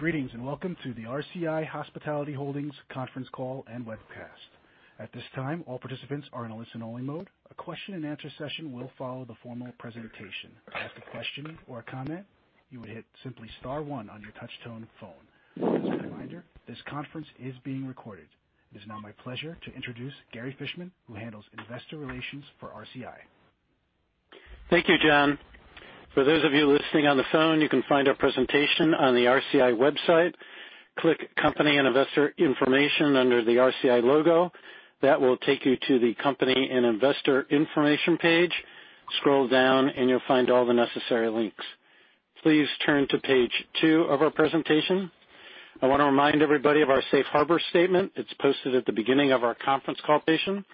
Greetings, and welcome to the RCI Hospitality Holdings conference call and webcast. At this time, all participants are in a listen-only mode. A Q&A session will follow the formal presentation. To ask a question or a comment, you would simply hit star one on your touch-tone phone. As a reminder, this conference is being recorded. It is now my pleasure to introduce Gary Fishman, who handles investor relations for RCI. Thank you, John. For those of you listening on the phone, you can find our presentation on the RCI website. Click Company and Investor Information under the RCI logo. That will take you to the Company and Investor Information page. Scroll down, and you'll find all the necessary links. Please turn to page two of our presentation. I wanna remind everybody of our safe harbor statement. It's posted at the beginning of our conference call presentation.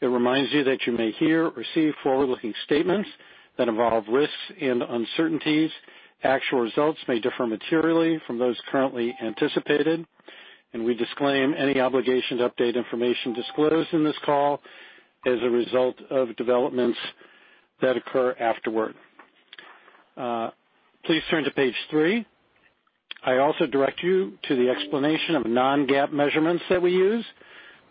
It reminds you that you may hear or see forward-looking statements that involve risks and uncertainties. Actual results may differ materially from those currently anticipated, and we disclaim any obligation to update information disclosed in this call as a result of developments that occur afterward. Please turn to page three. I also direct you to the explanation of non-GAAP measurements that we use.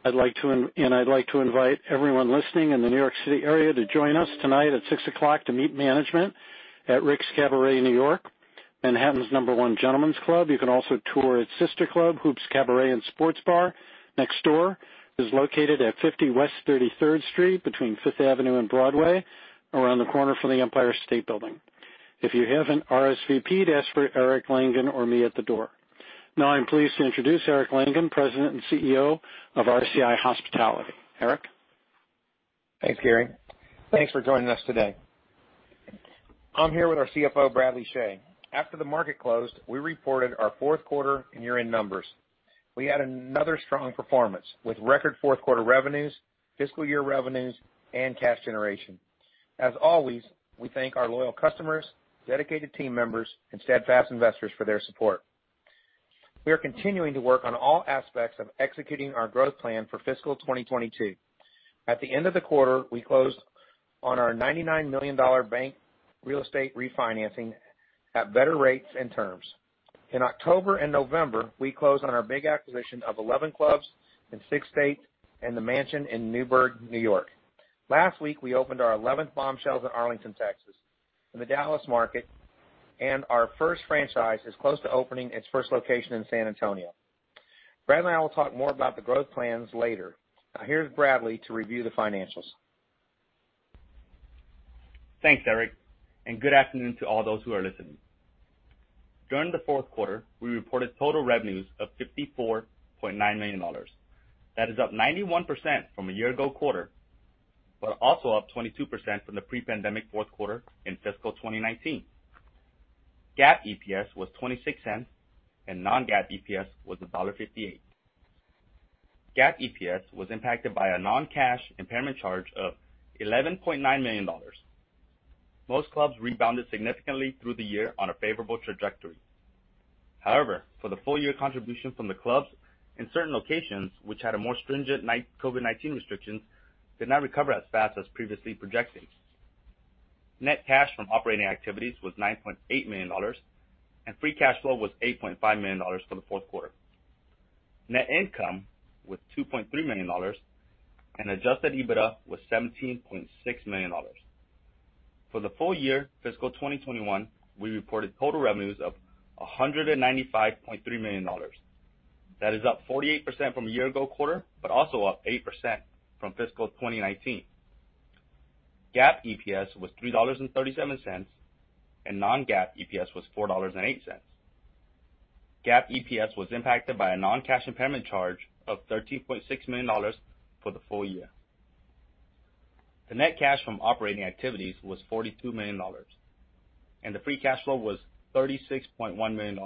I'd like to invite everyone listening in the New York City area to join us tonight at 6:00 P.M. to meet management at Rick's Cabaret New York, Manhattan's number one gentlemen's club. You can also tour its sister club, Hoops Cabaret and Sports Bar next door. It's located at 50 West 33rd Street between 5th Avenue and Broadway, around the corner from the Empire State Building. If you haven't RSVP'd, ask for Eric Langan or me at the door. Now I'm pleased to introduce Eric Langan, President and CEO of RCI Hospitality. Eric? Thanks, Gary. Thanks for joining us today. I'm here with our CFO, Bradley Chhay. After the market closed, we reported our fourth quarter and year-end numbers. We had another strong performance, with record fourth quarter revenues, fiscal year revenues, and cash generation. As always, we thank our loyal customers, dedicated team members, and steadfast investors for their support. We are continuing to work on all aspects of executing our growth plan for fiscal 2022. At the end of the quarter, we closed on our $99 million bank real estate refinancing at better rates and terms. In October and November, we closed on our big acquisition of 11 clubs in six states and The Mansion in Newburgh, New York. Last week, we opened our 11th Bombshells in Arlington, Texas, in the Dallas market, and our first franchise is close to opening its first location in San Antonio. Bradley and I will talk more about the growth plans later. Now, here's Bradley to review the financials. Thanks, Eric, and good afternoon to all those who are listening. During the fourth quarter, we reported total revenues of $54.9 million. That is up 91% from a year-ago quarter but also up 22% from the pre-pandemic fourth quarter in fiscal 2019. GAAP EPS was $0.26, and non-GAAP EPS was $1.58. GAAP EPS was impacted by a non-cash impairment charge of $11.9 million. Most clubs rebounded significantly through the year on a favorable trajectory. However, for the full year contribution from the clubs in certain locations which had a more stringent COVID-19 restrictions did not recover as fast as previously projected. Net cash from operating activities was $9.8 million, and free cash flow was $8.5 million for the fourth quarter. Net income was $2.3 million, and adjusted EBITDA was $17.6 million. For the full year fiscal 2021, we reported total revenues of $195.3 million. That is up 48% from a year-ago quarter but also up 8% from fiscal 2019. GAAP EPS was $3.37, and non-GAAP EPS was $4.08. GAAP EPS was impacted by a non-cash impairment charge of $13.6 million for the full year. The net cash from operating activities was $42 million, and the free cash flow was $36.1 million.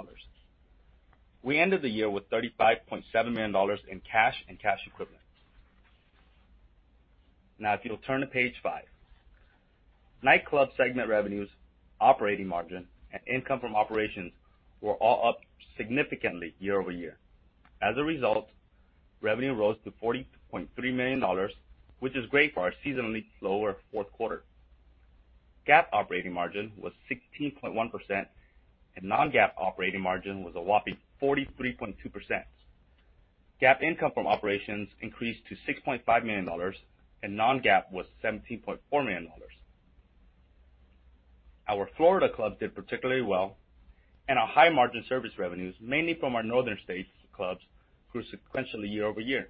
We ended the year with $35.7 million in cash and cash equivalents. Now, if you'll turn to page five. Nightclub segment revenues, operating margin, and income from operations were all up significantly year-over-year. As a result, revenue rose to $40.3 million, which is great for our seasonally slower fourth quarter. GAAP operating margin was 16.1%, and non-GAAP operating margin was a whopping 43.2%. GAAP income from operations increased to $6.5 million, and non-GAAP was $17.4 million. Our Florida clubs did particularly well, and our high-margin service revenues, mainly from our northern states clubs, grew sequentially year-over-year.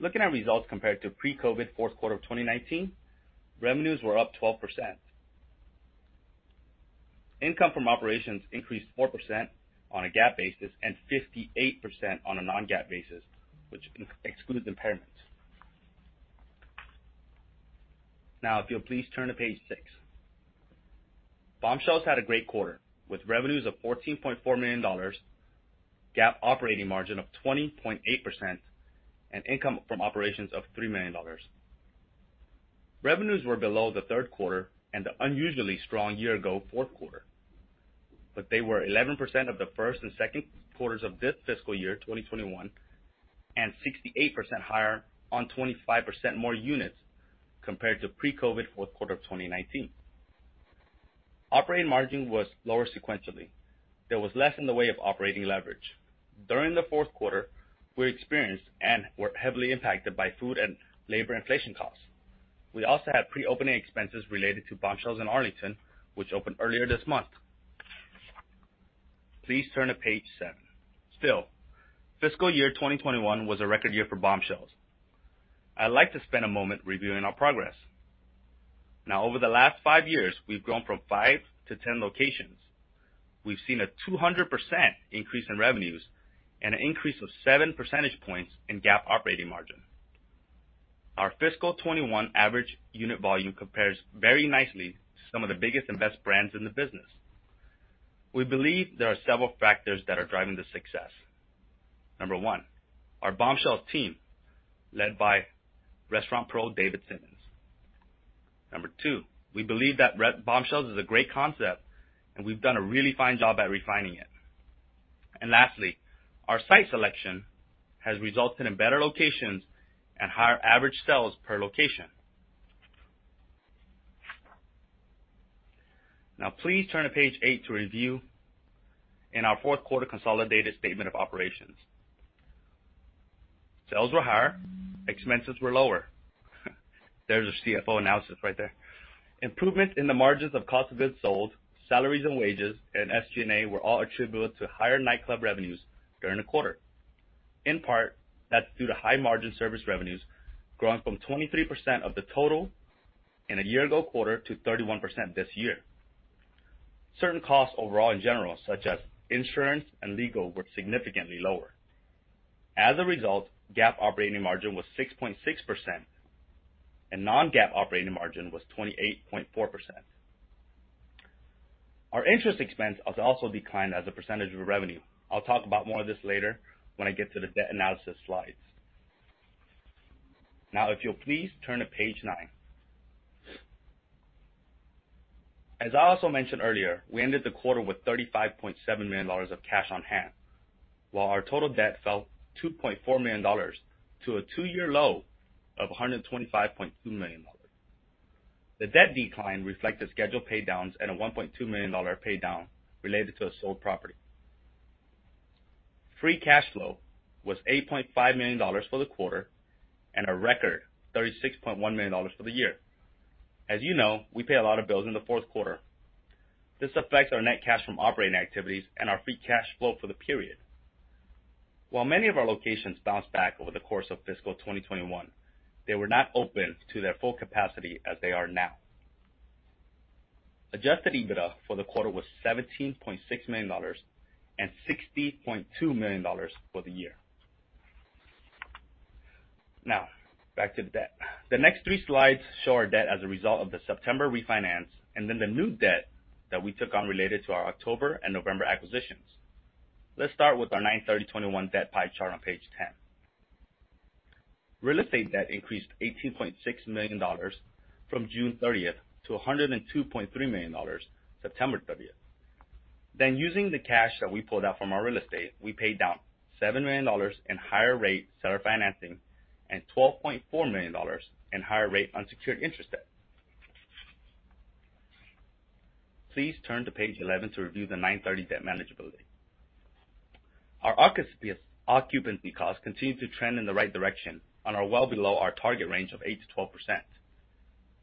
Looking at results compared to pre-COVID fourth quarter of 2019, revenues were up 12%. Income from operations increased 4% on a GAAP basis and 58% on a non-GAAP basis, which excludes impairments. Now if you'll please turn to page six. Bombshells had a great quarter, with revenues of $14.4 million, GAAP operating margin of 20.8%, and income from operations of $3 million. Revenues were below the third quarter and the unusually strong year-ago fourth quarter. They were 11% above the first and second quarters of this fiscal year 2021, and 68% higher on 25% more units compared to pre-COVID fourth quarter of 2019. Operating margin was lower sequentially. There was less in the way of operating leverage. During the fourth quarter, we experienced and were heavily impacted by food and labor inflation costs. We also had pre-opening expenses related to Bombshells in Arlington, which opened earlier this month. Please turn to page seven. Still, fiscal year 2021 was a record year for Bombshells. I'd like to spend a moment reviewing our progress. Now, over the last five years, we've grown from five to 10 locations. We've seen a 200% increase in revenues and an increase of 7 percentage points in GAAP operating margin. Our fiscal 2021 average unit volume compares very nicely to some of the biggest and best brands in the business. We believe there are several factors that are driving the success. Number one, our Bombshells team, led by restaurant pro David Simmons. Number two, we believe that Bombshells is a great concept, and we've done a really fine job at refining it. Lastly, our site selection has resulted in better locations and higher average sales per location. Now, please turn to page eight to review our fourth quarter consolidated statement of operations. Sales were higher, expenses were lower. There's a CFO analysis right there. Improvements in the margins of cost of goods sold, salaries and wages, and SG&A were all attributable to higher nightclub revenues during the quarter. In part, that's due to high margin service revenues growing from 23% of the total in a year ago quarter to 31% this year. Certain costs overall in general, such as insurance and legal, were significantly lower. As a result, GAAP operating margin was 6.6%, and non-GAAP operating margin was 28.4%. Our interest expense has also declined as a percentage of revenue. I'll talk about more of this later when I get to the debt analysis slides. Now, if you'll please turn to page nine. As I also mentioned earlier, we ended the quarter with $35.7 million of cash on hand, while our total debt fell $2.4 million to a two-year low of $125.2 million. The debt decline reflected scheduled pay downs and a $1.2 million pay down related to a sold property. Free cash flow was $8.5 million for the quarter and a record $36.1 million for the year. As you know, we pay a lot of bills in the fourth quarter. This affects our net cash from operating activities and our free cash flow for the period. While many of our locations bounced back over the course of fiscal 2021, they were not open to their full capacity as they are now. Adjusted EBITDA for the quarter was $17.6 million and $60.2 million for the year. Now, back to the debt. The next three slides show our debt as a result of the September refinance and then the new debt that we took on related to our October and November acquisitions. Let's start with our 9/30/2021 debt pie chart on page 10. Real estate debt increased $18.6 million from June 30th to $102.3 million, September 30th. Using the cash that we pulled out from our real estate, we paid down $7 million in higher rate seller financing and $12.4 million in higher rate unsecured interest debt. Please turn to page 11 to review the 9/30 debt manageability. Our occupancy costs continue to trend in the right direction and are well below our target range of 8%-12%.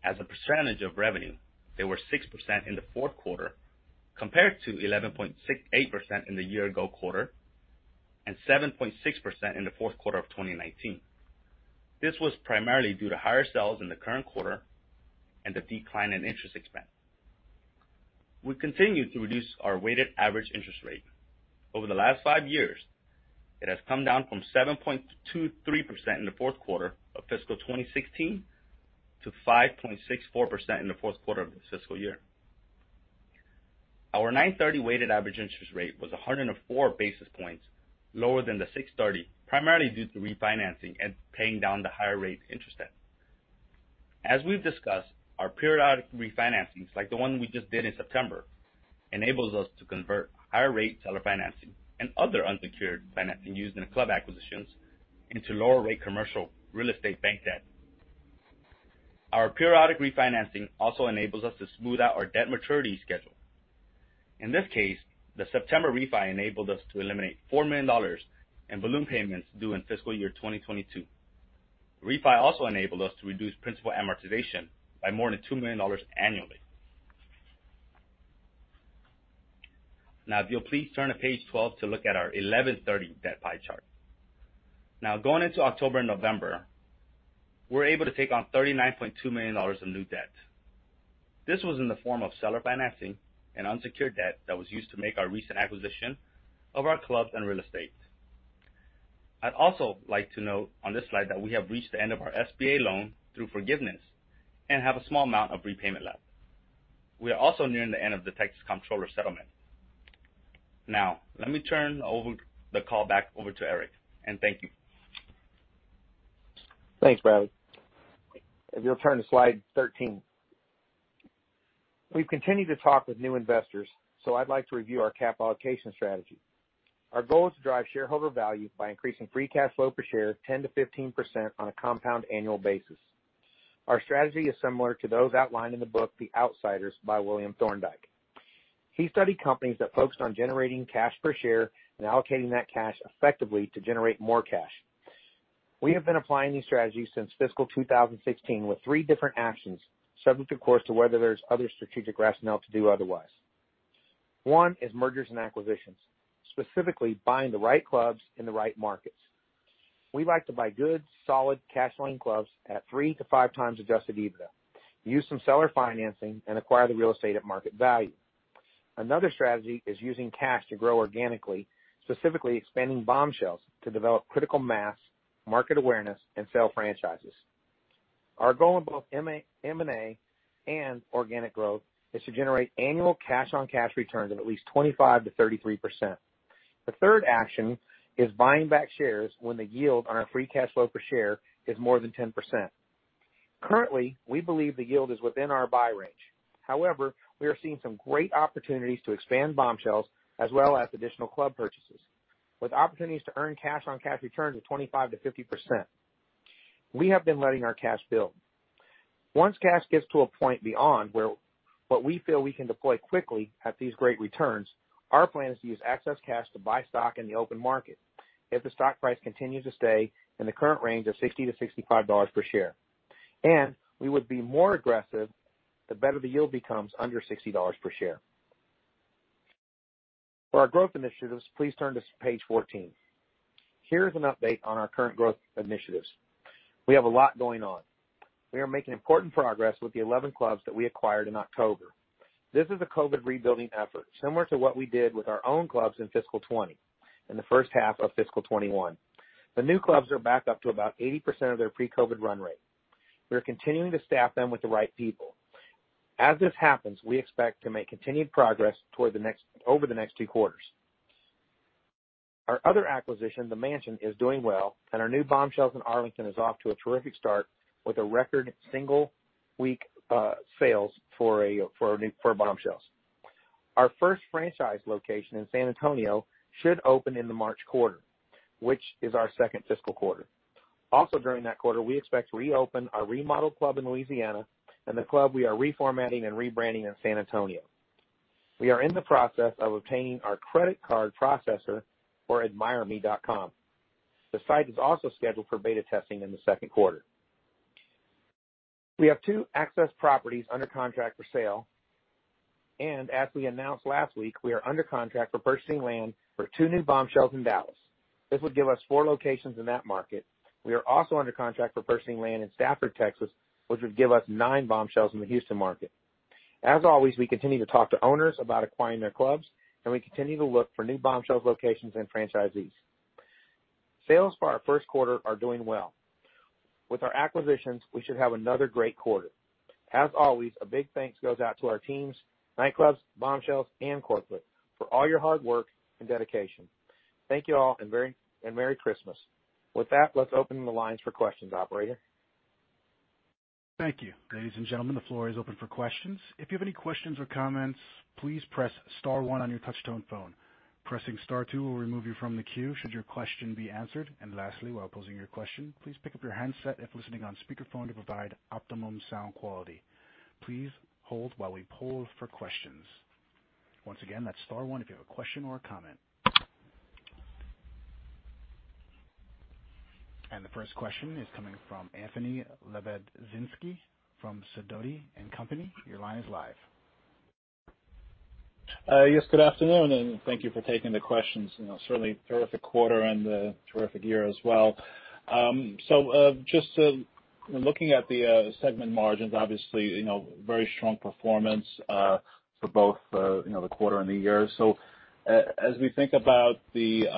As a percentage of revenue, they were 6% in the fourth quarter compared to 11.8% in the year-ago quarter and 7.6% in the fourth quarter of 2019. This was primarily due to higher sales in the current quarter and the decline in interest expense. We continue to reduce our weighted average interest rate. Over the last five years, it has come down from 7.23% in the fourth quarter of fiscal 2016 to 5.64% in the fourth quarter of this fiscal year. Our 9.30% weighted average interest rate was 104 basis points lower than the 6.30%, primarily due to refinancing and paying down the higher rate interest debt. As we've discussed, our periodic refinancings, like the one we just did in September, enables us to convert higher rate seller financing and other unsecured financing used in club acquisitions into lower rate commercial real estate bank debt. Our periodic refinancing also enables us to smooth out our debt maturity schedule. In this case, the September refi enabled us to eliminate $4 million in balloon payments due in fiscal year 2022. Refi also enabled us to reduce principal amortization by more than $2 million annually. Now, if you'll please turn to page 12 to look at our 11/30 debt pie chart. Now, going into October and November, we were able to take on $39.2 million of new debt. This was in the form of seller financing and unsecured debt that was used to make our recent acquisition of our clubs and real estate. I'd also like to note on this slide that we have reached the end of our SBA loan through forgiveness and have a small amount of repayment left. We are also nearing the end of the Texas Comptroller settlement. Now, let me turn over the call back over to Eric, and thank you. Thanks, Bradley. If you'll turn to slide 13. We've continued to talk with new investors, so I'd like to review our cap allocation strategy. Our goal is to drive shareholder value by increasing free cash flow per share 10%-15% on a compound annual basis. Our strategy is similar to those outlined in the book The Outsiders by William Thorndike. He studied companies that focused on generating cash per share and allocating that cash effectively to generate more cash. We have been applying these strategies since fiscal 2016, with three different actions subject, of course, to whether there's other strategic rationale to do otherwise. One is mergers and acquisitions, specifically buying the right clubs in the right markets. We like to buy good, solid cash flowing clubs at 3x-5x adjusted EBITDA, use some seller financing and acquire the real estate at market value. Another strategy is using cash to grow organically, specifically expanding Bombshells to develop critical mass, market awareness and sell franchises. Our goal in both M&A and organic growth is to generate annual cash-on-cash returns of at least 25%-33%. The third action is buying back shares when the yield on our free cash flow per share is more than 10%. Currently, we believe the yield is within our buy range. However, we are seeing some great opportunities to expand Bombshells as well as additional club purchases with opportunities to earn cash-on-cash returns of 25%-50%. We have been letting our cash build. Once cash gets to a point beyond where what we feel we can deploy quickly at these great returns, our plan is to use excess cash to buy stock in the open market if the stock price continues to stay in the current range of $60-$65 per share, and we would be more aggressive the better the yield becomes under $60 per share. For our growth initiatives, please turn to page 14. Here is an update on our current growth initiatives. We have a lot going on. We are making important progress with the 11 clubs that we acquired in October. This is a COVID rebuilding effort similar to what we did with our own clubs in fiscal 2020 and the first half of fiscal 2021. The new clubs are back up to about 80% of their pre-COVID run rate. We are continuing to staff them with the right people. As this happens, we expect to make continued progress over the next two quarters. Our other acquisition, The Mansion, is doing well, and our new Bombshells in Arlington is off to a terrific start with a record single week sales for a new Bombshells. Our first franchise location in San Antonio should open in the March quarter, which is our second fiscal quarter. Also during that quarter, we expect to reopen our remodeled club in Louisiana and the club we are reformatting and rebranding in San Antonio. We are in the process of obtaining our credit card processor for admireme.com. The site is also scheduled for beta testing in the second quarter. We have two excess properties under contract for sale, and as we announced last week, we are under contract for purchasing land for two new Bombshells in Dallas. This would give us four locations in that market. We are also under contract for purchasing land in Stafford, Texas, which would give us nine Bombshells in the Houston market. As always, we continue to talk to owners about acquiring their clubs, and we continue to look for new Bombshells locations and franchisees. Sales for our first quarter are doing well. With our acquisitions, we should have another great quarter. As always, a big thanks goes out to our teams, nightclubs, Bombshells and corporate for all your hard work and dedication. Thank you all and Merry Christmas. With that, let's open the lines for questions, Operator. Thank you. Ladies and gentlemen, the floor is open for questions. If you have any questions or comments, please press star one on your touchtone phone. Pressing star two will remove you from the queue should your question be answered. Lastly, while posing your question, please pick up your handset if listening on speakerphone to provide optimum sound quality. Please hold while we poll for questions. Once again, that's star one if you have a question or a comment. The first question is coming from Anthony Lebiedzinski from Sidoti & Company. Your line is live. Yes, good afternoon, and thank you for taking the questions. You know, certainly terrific quarter and a terrific year as well. Just looking at the segment margins, obviously, you know, very strong performance for both, you know, the quarter and the year. As we think about the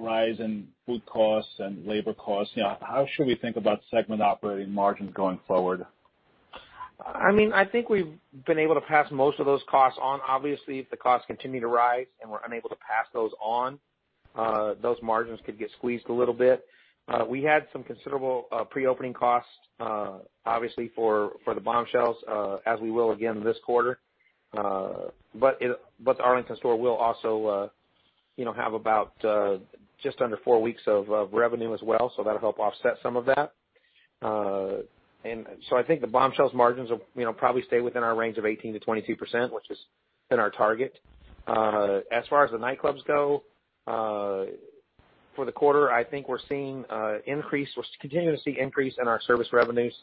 rise in food costs and labor costs, you know, how should we think about segment operating margins going forward? I mean, I think we've been able to pass most of those costs on. Obviously, if the costs continue to rise and we're unable to pass those on, those margins could get squeezed a little bit. We had some considerable pre-opening costs, obviously for the Bombshells, as we will again this quarter. The Arlington store will also, you know, have about just under four weeks of revenue as well, so that'll help offset some of that. I think the Bombshells margins will, you know, probably stay within our range of 18%-22%, which has been our target. As far as the nightclubs go, for the quarter, I think we're seeing an increase, we're continuing to see an increase in our service revenues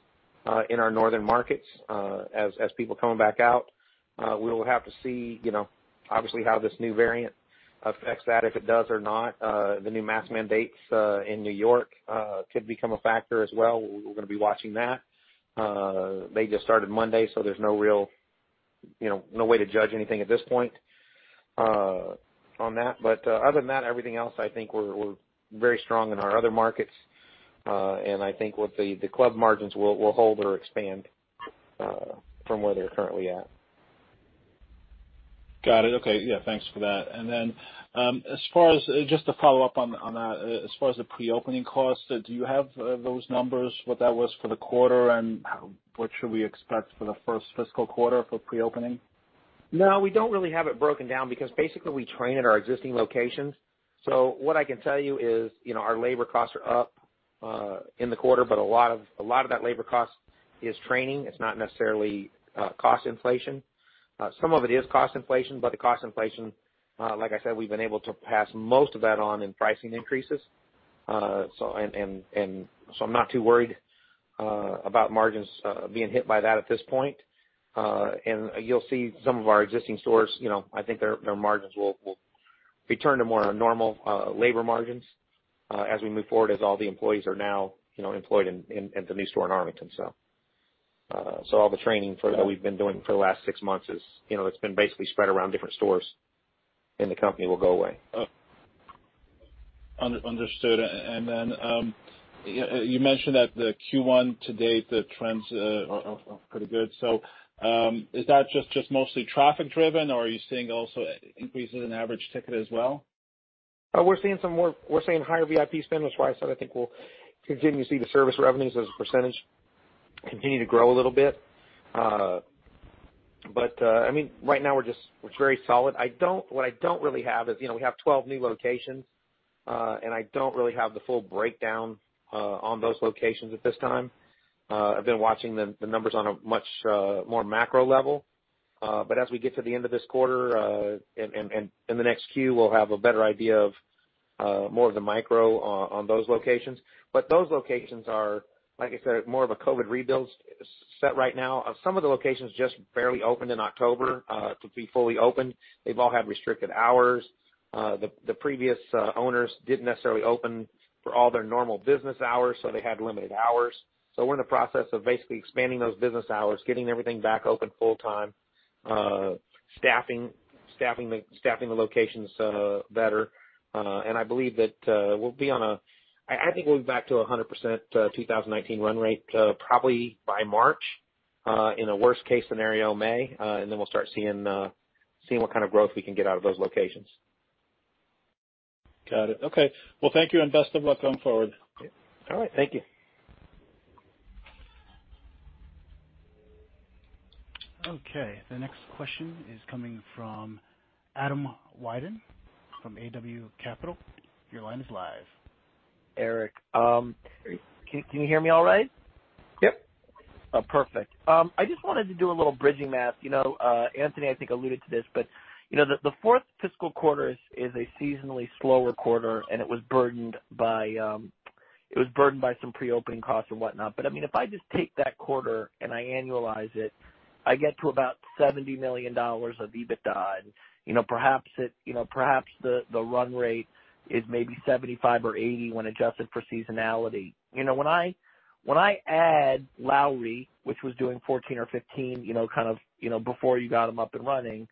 in our northern markets, as people coming back out. We will have to see, you know, obviously how this new variant affects that, if it does or not. The new mask mandates in New York could become a factor as well. We're gonna be watching that. They just started Monday, so there's no real, you know, no way to judge anything at this point on that. Other than that, everything else, I think we're very strong in our other markets. I think that the club margins will hold or expand from where they're currently at. Got it. Okay. Yeah, thanks for that. As far as just to follow up on that, as far as the pre-opening costs, do you have those numbers, what that was for the quarter, and what should we expect for the first fiscal quarter for pre-opening? No, we don't really have it broken down because basically we train at our existing locations. What I can tell you is, you know, our labor costs are up in the quarter, but a lot of that labor cost is training. It's not necessarily cost inflation. Some of it is cost inflation, but the cost inflation, like I said, we've been able to pass most of that on in pricing increases. And so I'm not too worried about margins being hit by that at this point. You'll see some of our existing stores, you know, I think their margins will return to more normal labor margins as we move forward, as all the employees are now, you know, employed in the new store in Arlington. All the training for that we've been doing for the last six months is, you know, it's been basically spread around different stores, and the company will go away. Understood. You mentioned that the Q1 to date, the trends are pretty good. Is that just mostly traffic driven or are you seeing also increases in average ticket as well? We're seeing higher VIP spend. That's why I said I think we'll continue to see the service revenues as a percentage continue to grow a little bit. But I mean, right now it's very solid. What I don't really have is, you know, we have 12 new locations, and I don't really have the full breakdown on those locations at this time. I've been watching the numbers on a much more macro level. But as we get to the end of this quarter, and in the next Q, we'll have a better idea of more of the micro on those locations. But those locations are, like I said, more of a COVID rebuild set right now. Some of the locations just barely opened in October to be fully opened. They've all had restricted hours. The previous owners didn't necessarily open for all their normal business hours, so they had limited hours. We're in the process of basically expanding those business hours, getting everything back open full-time, staffing the locations better. I believe that, I think we'll be back to 100% 2019 run rate, probably by March, in a worst-case scenario, May. And then we'll start seeing what kind of growth we can get out of those locations. Got it. Okay. Well, thank you, and best of luck going forward. All right. Thank you. Okay. The next question is coming from Adam Wyden from ADW Capital. Your line is live. Eric, can you hear me all right? Yep. Perfect. I just wanted to do a little bridging math. You know, Anthony, I think alluded to this, but you know, the fourth fiscal quarter is a seasonally slower quarter, and it was burdened by some pre-opening costs and whatnot. I mean, if I just take that quarter and I annualize it, I get to about $70 million of EBITDA, and you know, perhaps the run rate is maybe $75 million or $80 million when adjusted for seasonality. You know, when I add Lowrie, which was doing $14 million or $15 million you know kind of before you got them up and running,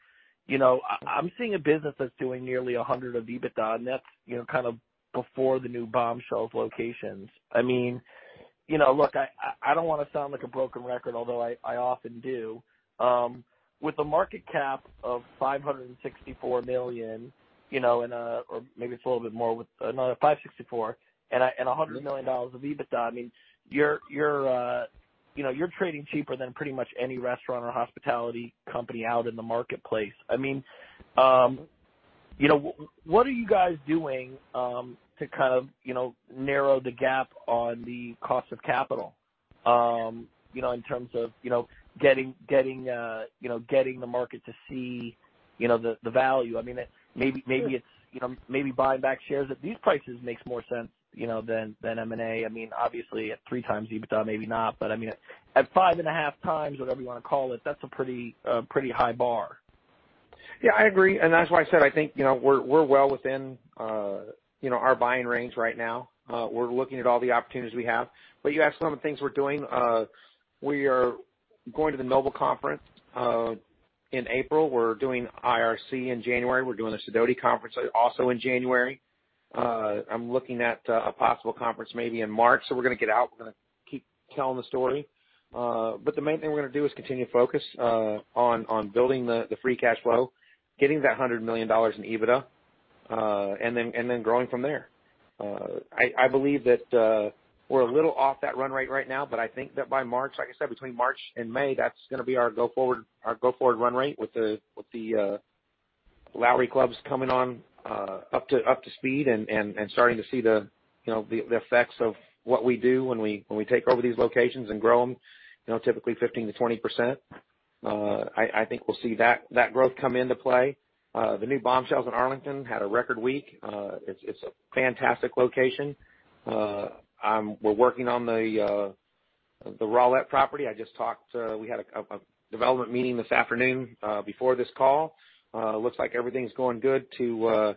you know, I'm seeing a business that's doing nearly $100 million of EBITDA, and that's you know kind of before the new Bombshells locations. I mean, you know, look, I don't want to sound like a broken record, although I often do. With a market cap of $564 million, you know, or maybe it's a little bit more with another, $564 million and $100 million of EBITDA, I mean, you're trading cheaper than pretty much any restaurant or hospitality company out in the marketplace. I mean, you know, what are you guys doing to kind of, you know, narrow the gap on the cost of capital, you know, in terms of, you know, getting the market to see, you know, the value? I mean, maybe it's, you know, maybe buying back shares at these prices makes more sense, you know, than M&A. I mean, obviously, at 3x EBITDA, maybe not. I mean, at 5.5x, whatever you wanna call it, that's a pretty high bar. Yeah, I agree. That's why I said I think, you know, we're well within, you know, our buying range right now. We're looking at all the opportunities we have. You asked some of the things we're doing. We are going to the Noble Conference in April. We're doing IRC in January. We're doing a Sidoti conference also in January. I'm looking at a possible conference maybe in March. We're gonna get out. We're gonna keep telling the story. The main thing we're gonna do is continue to focus on building the free cash flow, getting that $100 million in EBITDA, and then growing from there. I believe that we're a little off that run rate right now, but I think that by March, like I said, between March and May, that's gonna be our go forward run rate with the Lowrie clubs coming on up to speed and starting to see the, you know, the effects of what we do when we take over these locations and grow them, you know, typically 15%-20%. I think we'll see that growth come into play. The new Bombshells in Arlington had a record week. It's a fantastic location. We're working on the Rowlett property. I just talked, we had a development meeting this afternoon before this call. Looks like everything's going good to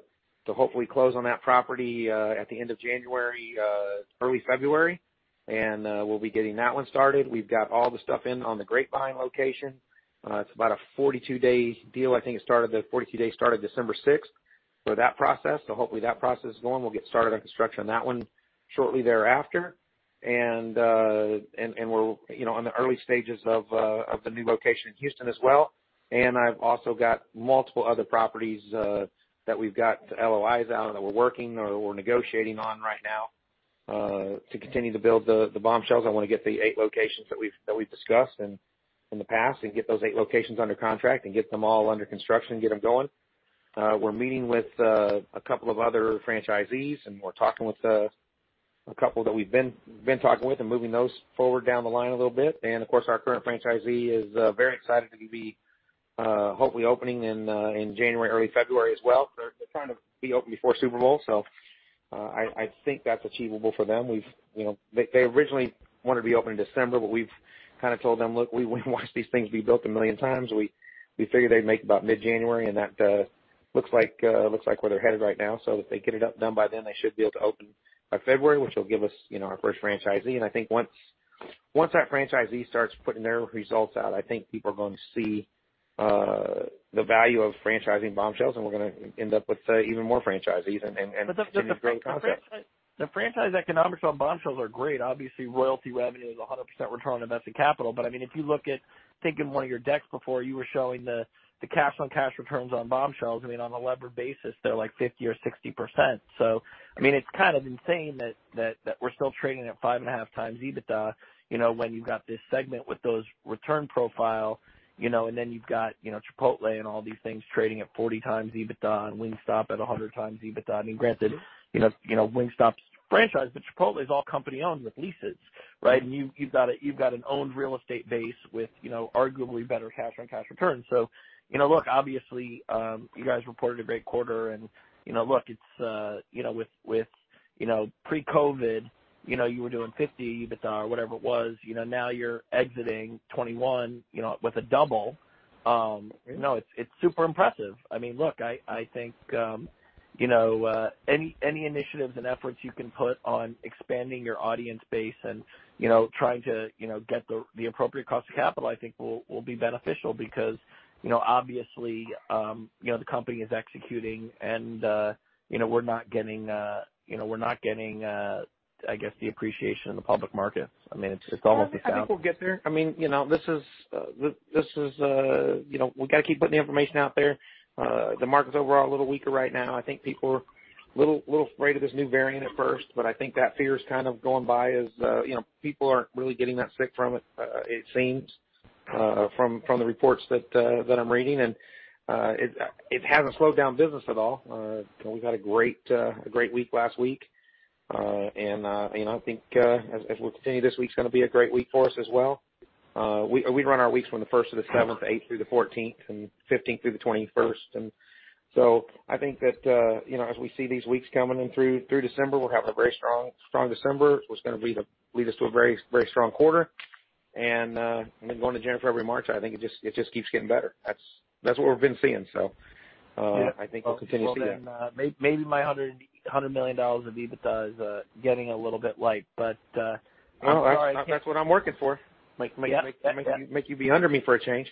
hopefully close on that property at the end of January, early February. We'll be getting that one started. We've got all the stuff in on the Grapevine location. It's about a 42-day deal. I think it started the 42-day started December 6th for that process. Hopefully that process is going. We'll get started on construction on that one shortly thereafter. We're, you know, on the early stages of the new location in Houston as well. I've also got multiple other properties that we've got LOIs out, or that we're working or we're negotiating on right now to continue to build the Bombshells. I wanna get the eight locations that we've discussed in the past and get those eight locations under contract and get them all under construction and get them going. We're meeting with a couple of other franchisees, and we're talking with a couple that we've been talking with and moving those forward down the line a little bit. Of course, our current franchisee is very excited to be hopefully opening in January, early February as well. They're trying to be open before Super Bowl, so I think that's achievable for them. You know, they originally wanted to be open in December, but we've kind of told them, "Look, we've watched these things be built a million times." We figured they'd make about mid-January, and that looks like where they're headed right now. If they get it up done by then, they should be able to open by February, which will give us our first franchisee. I think once that franchisee starts putting their results out, I think people are gonna see the value of franchising Bombshells, and we're gonna end up with even more franchisees and it's a great concept. The franchise economics on Bombshells are great. Obviously, royalty revenue is 100% return on invested capital. I mean, if you look at, I think in one of your decks before, you were showing the cash-on-cash returns on Bombshells. I mean, on a levered basis, they're like 50% or 60%. I mean, it's kind of insane that we're still trading at 5.5x EBITDA, you know, when you've got this segment with those return profile, you know, and then you've got, you know, Chipotle and all these things trading at 40x EBITDA and Wingstop at 100x EBITDA. I mean, granted, you know, Wingstop's franchise, but Chipotle is all company-owned with leases, right? You've got an owned real estate base with, you know, arguably better cash-on-cash returns. Look, obviously, you guys reported a great quarter and, you know, look, it's you know, with pre-COVID, you know, you were doing 50x EBITDA or whatever it was. You know, now you're exiting 2021, you know, with a double. You know, it's super impressive. I mean, look, I think you know, any initiatives and efforts you can put on expanding your audience base and, you know, trying to you know, get the appropriate cost of capital, I think will be beneficial because, you know, obviously, you know, the company is executing and, you know, we're not getting you know, we're not getting, I guess the appreciation in the public markets. I mean- I think we'll get there. I mean, you know, this is. We gotta keep putting the information out there. The market's overall a little weaker right now. I think people are a little afraid of this new variant at first, but I think that fear is kind of going by as, you know, people aren't really getting that sick from it seems, from the reports that I'm reading. It hasn't slowed down business at all. You know, we've had a great week last week. You know, I think, as we continue, this week's gonna be a great week for us as well. We run our weeks from the 1st-7th, 8th-14th, and 15th-21st. I think that, you know, as we see these weeks coming in through December, we're having a very strong December, which is gonna lead us to a very strong quarter. You know, going to January, February, March, I think it just keeps getting better. That's what we've been seeing. I think we'll continue to do that. Maybe my $100 million of EBITDA is getting a little bit light, but- No, that's what I'm working for. Make you be under me for a change.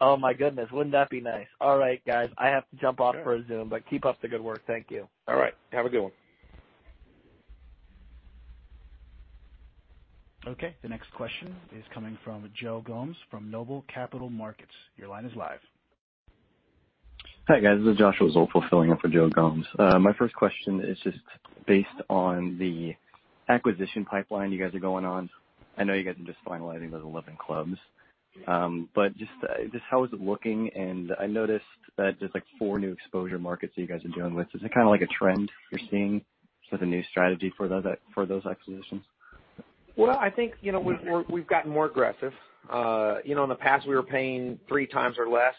Oh my goodness. Wouldn't that be nice? All right, guys. I have to jump off for a Zoom but keep up the good work. Thank you. All right. Have a good one. Okay. The next question is coming from Joe Gomes from Noble Capital Markets. Your line is live. Hi, guys. This is Joshua Zoepfel filling in for Joe Gomes. My first question is just based on the acquisition pipeline you guys are going on. I know you guys are just finalizing those 11 clubs. But just how is it looking? I noticed that there's like four new exposure markets that you guys are dealing with. Is it kind of like a trend you're seeing with a new strategy for those acquisitions? Well, I think, you know, we've gotten more aggressive. You know, in the past, we were paying 3x or less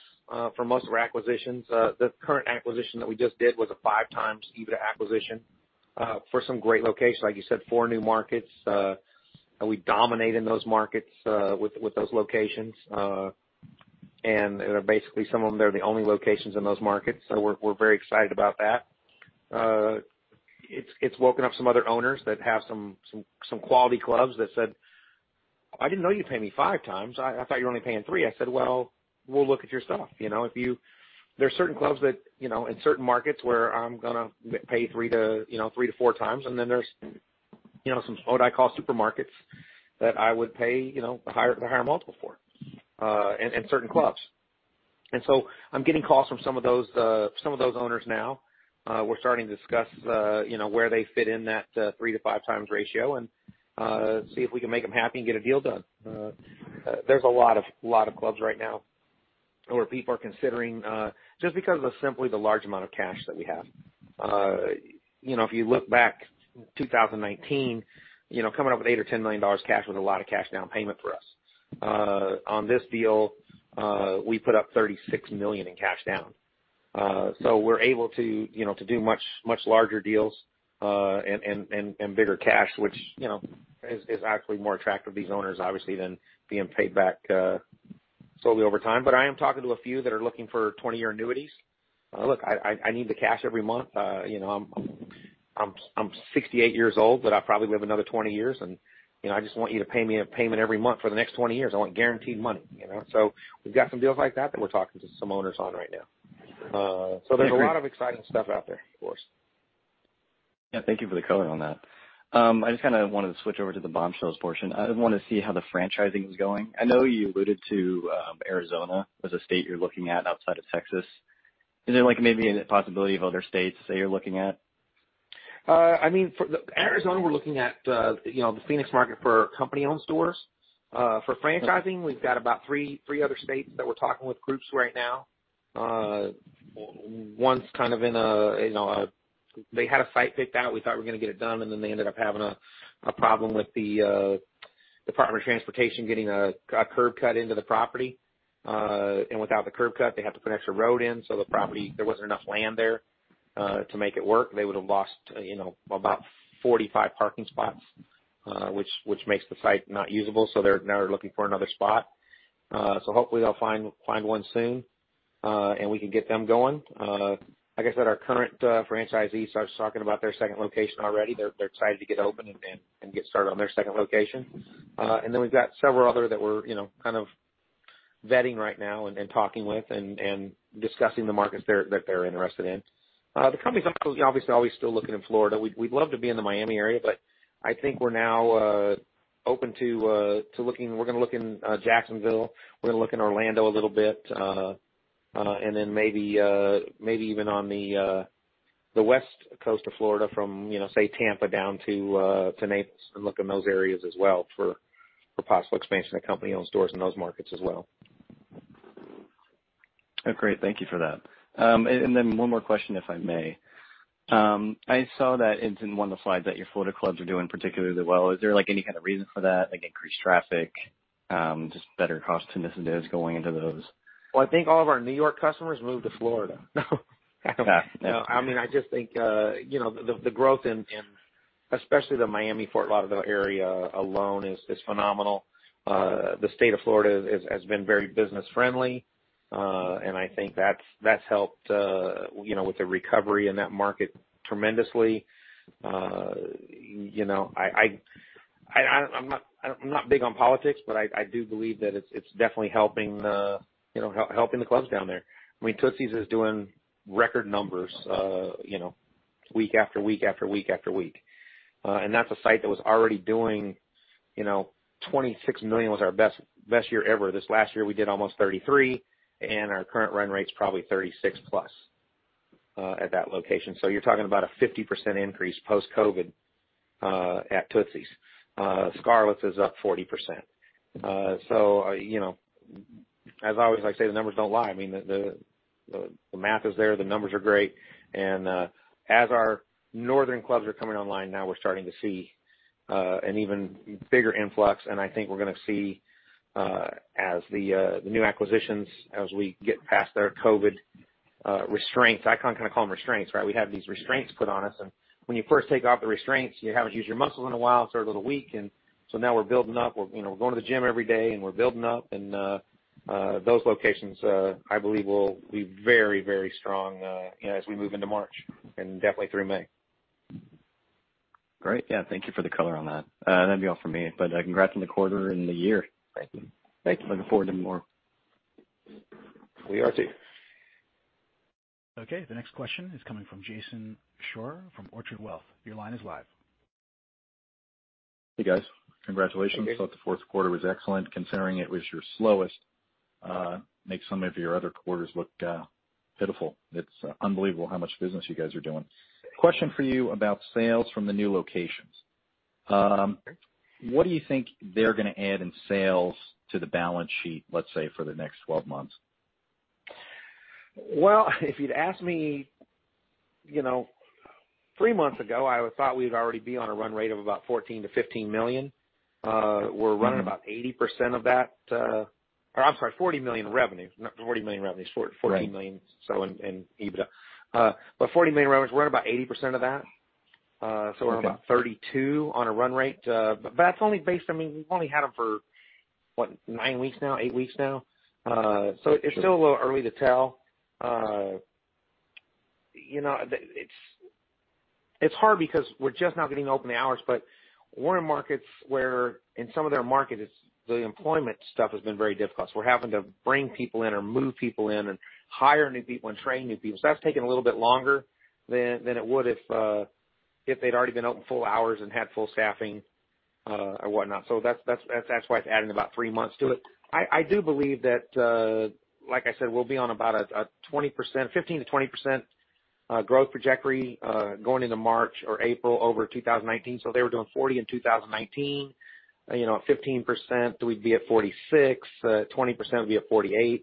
for most of our acquisitions. The current acquisition that we just did was a 5x EBITDA acquisition for some great locations. Like you said, four new markets, and we dominate in those markets with those locations. And they're basically some of them, they're the only locations in those markets. So we're very excited about that. It's woken up some other owners that have some quality clubs that said, "I didn't know you pay me 5x. I thought you were only paying 3x." I said, "Well, we'll look at your stuff." You know, if you There are certain clubs that, you know, in certain markets where I'm gonna pay 3x-4x, and then there's, you know, some what I call supermarkets that I would pay, you know, a higher multiple for, and certain clubs. I'm getting calls from some of those owners now. We're starting to discuss, you know, where they fit in that 3x-5x ratio and see if we can make them happy and get a deal done. There's a lot of clubs right now where people are considering just because of simply the large amount of cash that we have. You know, if you look back 2019, you know, coming up with $8 million or $10 million cash was a lot of cash down payment for us. On this deal, we put up $36 million in cash down. So we're able to, you know, to do much, much larger deals, and bigger cash, which, you know, is actually more attractive to these owners obviously than being paid back slowly over time. I am talking to a few that are looking for 20-year annuities. Look, I need the cash every month. You know, I'm 68 years old, but I'll probably live another 20 years. You know, I just want you to pay me a payment every month for the next 20 years. I want guaranteed money, you know. We've got some deals like that we're talking to some owners on right now. There's a lot of exciting stuff out there for us. Yeah, thank you for the color on that. I just kinda wanted to switch over to the Bombshells portion. I just wanna see how the franchising is going. I know you alluded to Arizona as a state you're looking at outside of Texas. Is there like maybe a possibility of other states that you're looking at? I mean, for Arizona, we're looking at, you know, the Phoenix market for company-owned stores. For franchising, we've got about three other states that we're talking with groups right now. One's kind of in a. They had a site picked out, we thought we were gonna get it done, and then they ended up having a problem with the Department of Transportation getting a curb cut into the property. Without the curb cut, they have to put extra road in, so the property, there wasn't enough land there to make it work. They would've lost, you know, about 45 parking spots, which makes the site not usable. They're now looking for another spot. Hopefully they'll find one soon, and we can get them going. Like I said, our current franchisee starts talking about their second location already. They're excited to get open and get started on their second location. We've got several others that we're, you know, kind of vetting right now and talking with and discussing the markets they're interested in. The company's obviously always still looking in Florida. We'd love to be in the Miami area, but I think we're now open to looking. We're gonna look in Jacksonville, we're gonna look in Orlando a little bit. Maybe even on the west coast of Florida from, you know, say, Tampa down to Naples and look in those areas as well for possible expansion of company-owned stores in those markets as well. Oh, great. Thank you for that. One more question if I may. I saw that it's in one of the slides that your Florida clubs are doing particularly well. Is there like any kind of reason for that, like increased traffic, just better cost initiatives going into those? Well, I think all of our New York customers moved to Florida. No. I mean, I just think you know, the growth in especially the Miami-Fort Lauderdale area alone is phenomenal. The state of Florida has been very business friendly. I think that's helped you know, with the recovery in that market tremendously. You know, I'm not big on politics, but I do believe that it's definitely helping you know, the clubs down there. I mean, Tootsie's is doing record numbers you know, week after week after week after week. That's a site that was already doing you know, $26 million was our best year ever. This last year we did almost $33 million, and our current run rate's probably $36+ million at that location. You're talking about a 50% increase post-COVID at Tootsie's. Scarlett's is up 40%. You know, as always, I say the numbers don't lie. I mean, the math is there, the numbers are great, and as our northern clubs are coming online, now we're starting to see an even bigger influx. I think we're gonna see, as the new acquisitions as we get past their COVID restraints. I kind of call them restraints, right? We have these restraints put on us, and when you first take off the restraints, you haven't used your muscles in a while, so they're a little weak. Now we're building up. You know, we're going to the gym every day and we're building up. Those locations, I believe, will be very strong, you know, as we move into March and definitely through May. Great. Yeah, thank you for the color on that. That'd be all for me, but congrats on the quarter and the year. Thank you. Thanks. Looking forward to more. We are too. Okay. The next question is coming from Jason Scheurer from Orchard Wealth. Your line is live. Hey guys. Congratulations. Thought the fourth quarter was excellent considering it was your slowest. It makes some of your other quarters look pitiful. It's unbelievable how much business you guys are doing. Question for you about sales from the new locations. What do you think they're gonna add in sales to the balance sheet, let's say for the next 12 months? Well, if you'd asked me, you know, three months ago, I would've thought we'd already be on a run rate of about $14 million-$15 million. We're running about 80% of that. Perhaps our $40 million revenue. Not $40 million revenue, $14 million in EBITDA. But $40 million revenue, we're at about 80% of that. So we're about $32 million on a run rate. But that's only based, I mean, we've only had them for, what? nine weeks now? Eight weeks now? So it's still a little early to tell. You know, it's hard because we're just now getting open the hours, but we're in markets where in some of their markets, the employment stuff has been very difficult. So we're having to bring people in or move people in and hire new people and train new people. So that's taken a little bit longer than it would if they'd already been open full hours and had full staffing, or whatnot. So that's why it's adding about three months to it. I do believe that, like I said, we'll be on about a 15%-20% growth trajectory going into March or April over 2019. They were doing $40 million in 2019. You know, at 15% we'd be at $46 million, 20% would be at $48 million.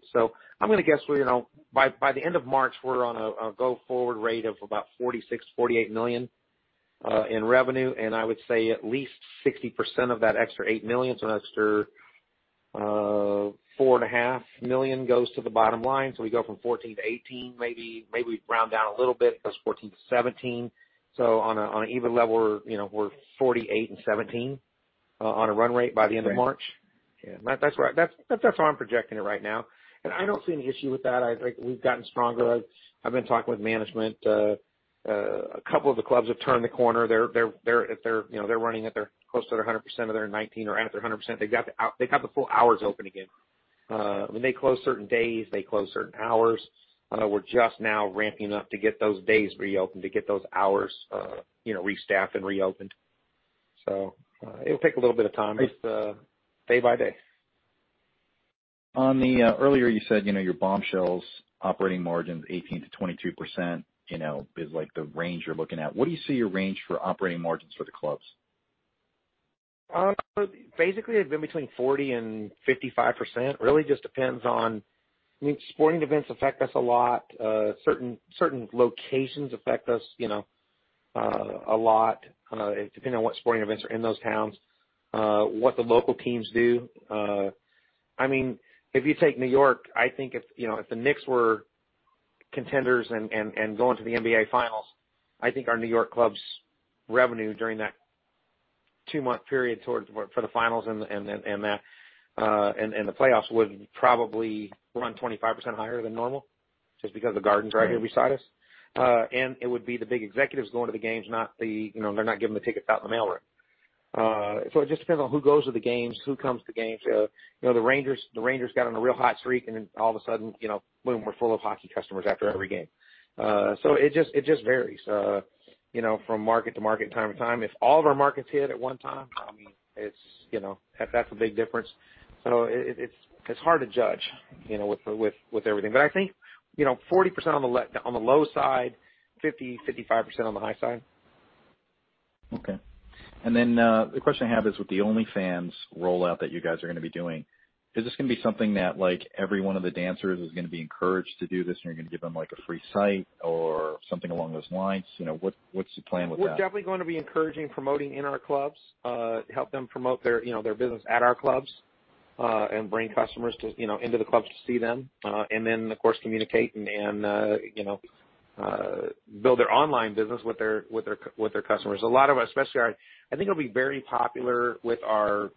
I'm gonna guess, you know, by the end of March we're on a go forward rate of about $46 million-$48 million in revenue. I would say at least 60% of that extra $8 million, so an extra $4.5 million goes to the bottom line. We go from $14 million to $18 million, maybe we round down a little bit, that's $14 million to $17 million. On an even level, you know, we're $48 million and $17 million on a run rate by the end of March. Yeah. That's right. That's how I'm projecting it right now. I don't see any issue with that. I think we've gotten stronger. I've been talking with management. A couple of the clubs have turned the corner. They're, you know, running at close to their 100% of their 2019 or at their 100%. They've got the full hours open again. When they close certain days, they close certain hours. We're just now ramping up to get those days reopened, to get those hours, you know, restaffed and reopened. It'll take a little bit of time. Just day by day. Earlier you said, you know, your Bombshells' operating margins 18%-22%, you know, is like the range you're looking at. What do you see your range for operating margins for the clubs? Basically they've been between 40% and 55%. Really just depends on... I mean, sporting events affect us a lot. Certain locations affect us, you know, a lot. Depending on what sporting events are in those towns, what the local teams do. I mean, if you take New York, I think if, you know, if the Knicks were contenders and going to the NBA Finals, I think our New York club's revenue during that two-month period for the finals and the playoffs would probably run 25% higher than normal just because the Garden's right here beside us. And it would be the big executives going to the games, not the, you know, they're not giving the tickets out in the mail room. It just depends on who goes to the games, who comes to games. You know, the Rangers got on a real hot streak, and all of a sudden, you know, boom, we're full of hockey customers after every game. It just varies, you know, from market to market and time to time. If all of our markets hit at one time, I mean, it's, you know, that's a big difference. It's hard to judge, you know, with everything. I think, you know, 40% on the low side, 50%-55% on the high side. Okay. The question I have is with the OnlyFans rollout that you guys are gonna be doing, is this gonna be something that, like, every one of the dancers is gonna be encouraged to do this, and you're gonna give them, like, a free site or something along those lines? You know, what's the plan with that? We're definitely gonna be encouraging promoting in our clubs, help them promote their, you know, their business at our clubs, and bring customers to, you know, into the clubs to see them, and then of course communicate and, you know, build their online business with their customers. A lot of our, especially, I think it'll be very popular with our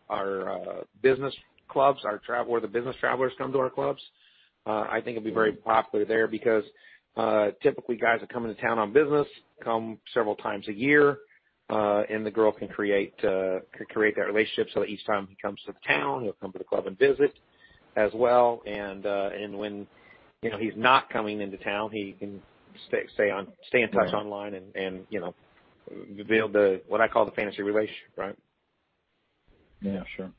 business clubs, where the business travelers come to our clubs. I think it'll be very popular there because typically guys that come into town on business come several times a year, and the girl can create that relationship so that each time he comes to town, he'll come to the club and visit as well. When, you know, he's not coming into town, he can stay in touch online and, you know, build what I call the fantasy relationship, right? Yeah, sure.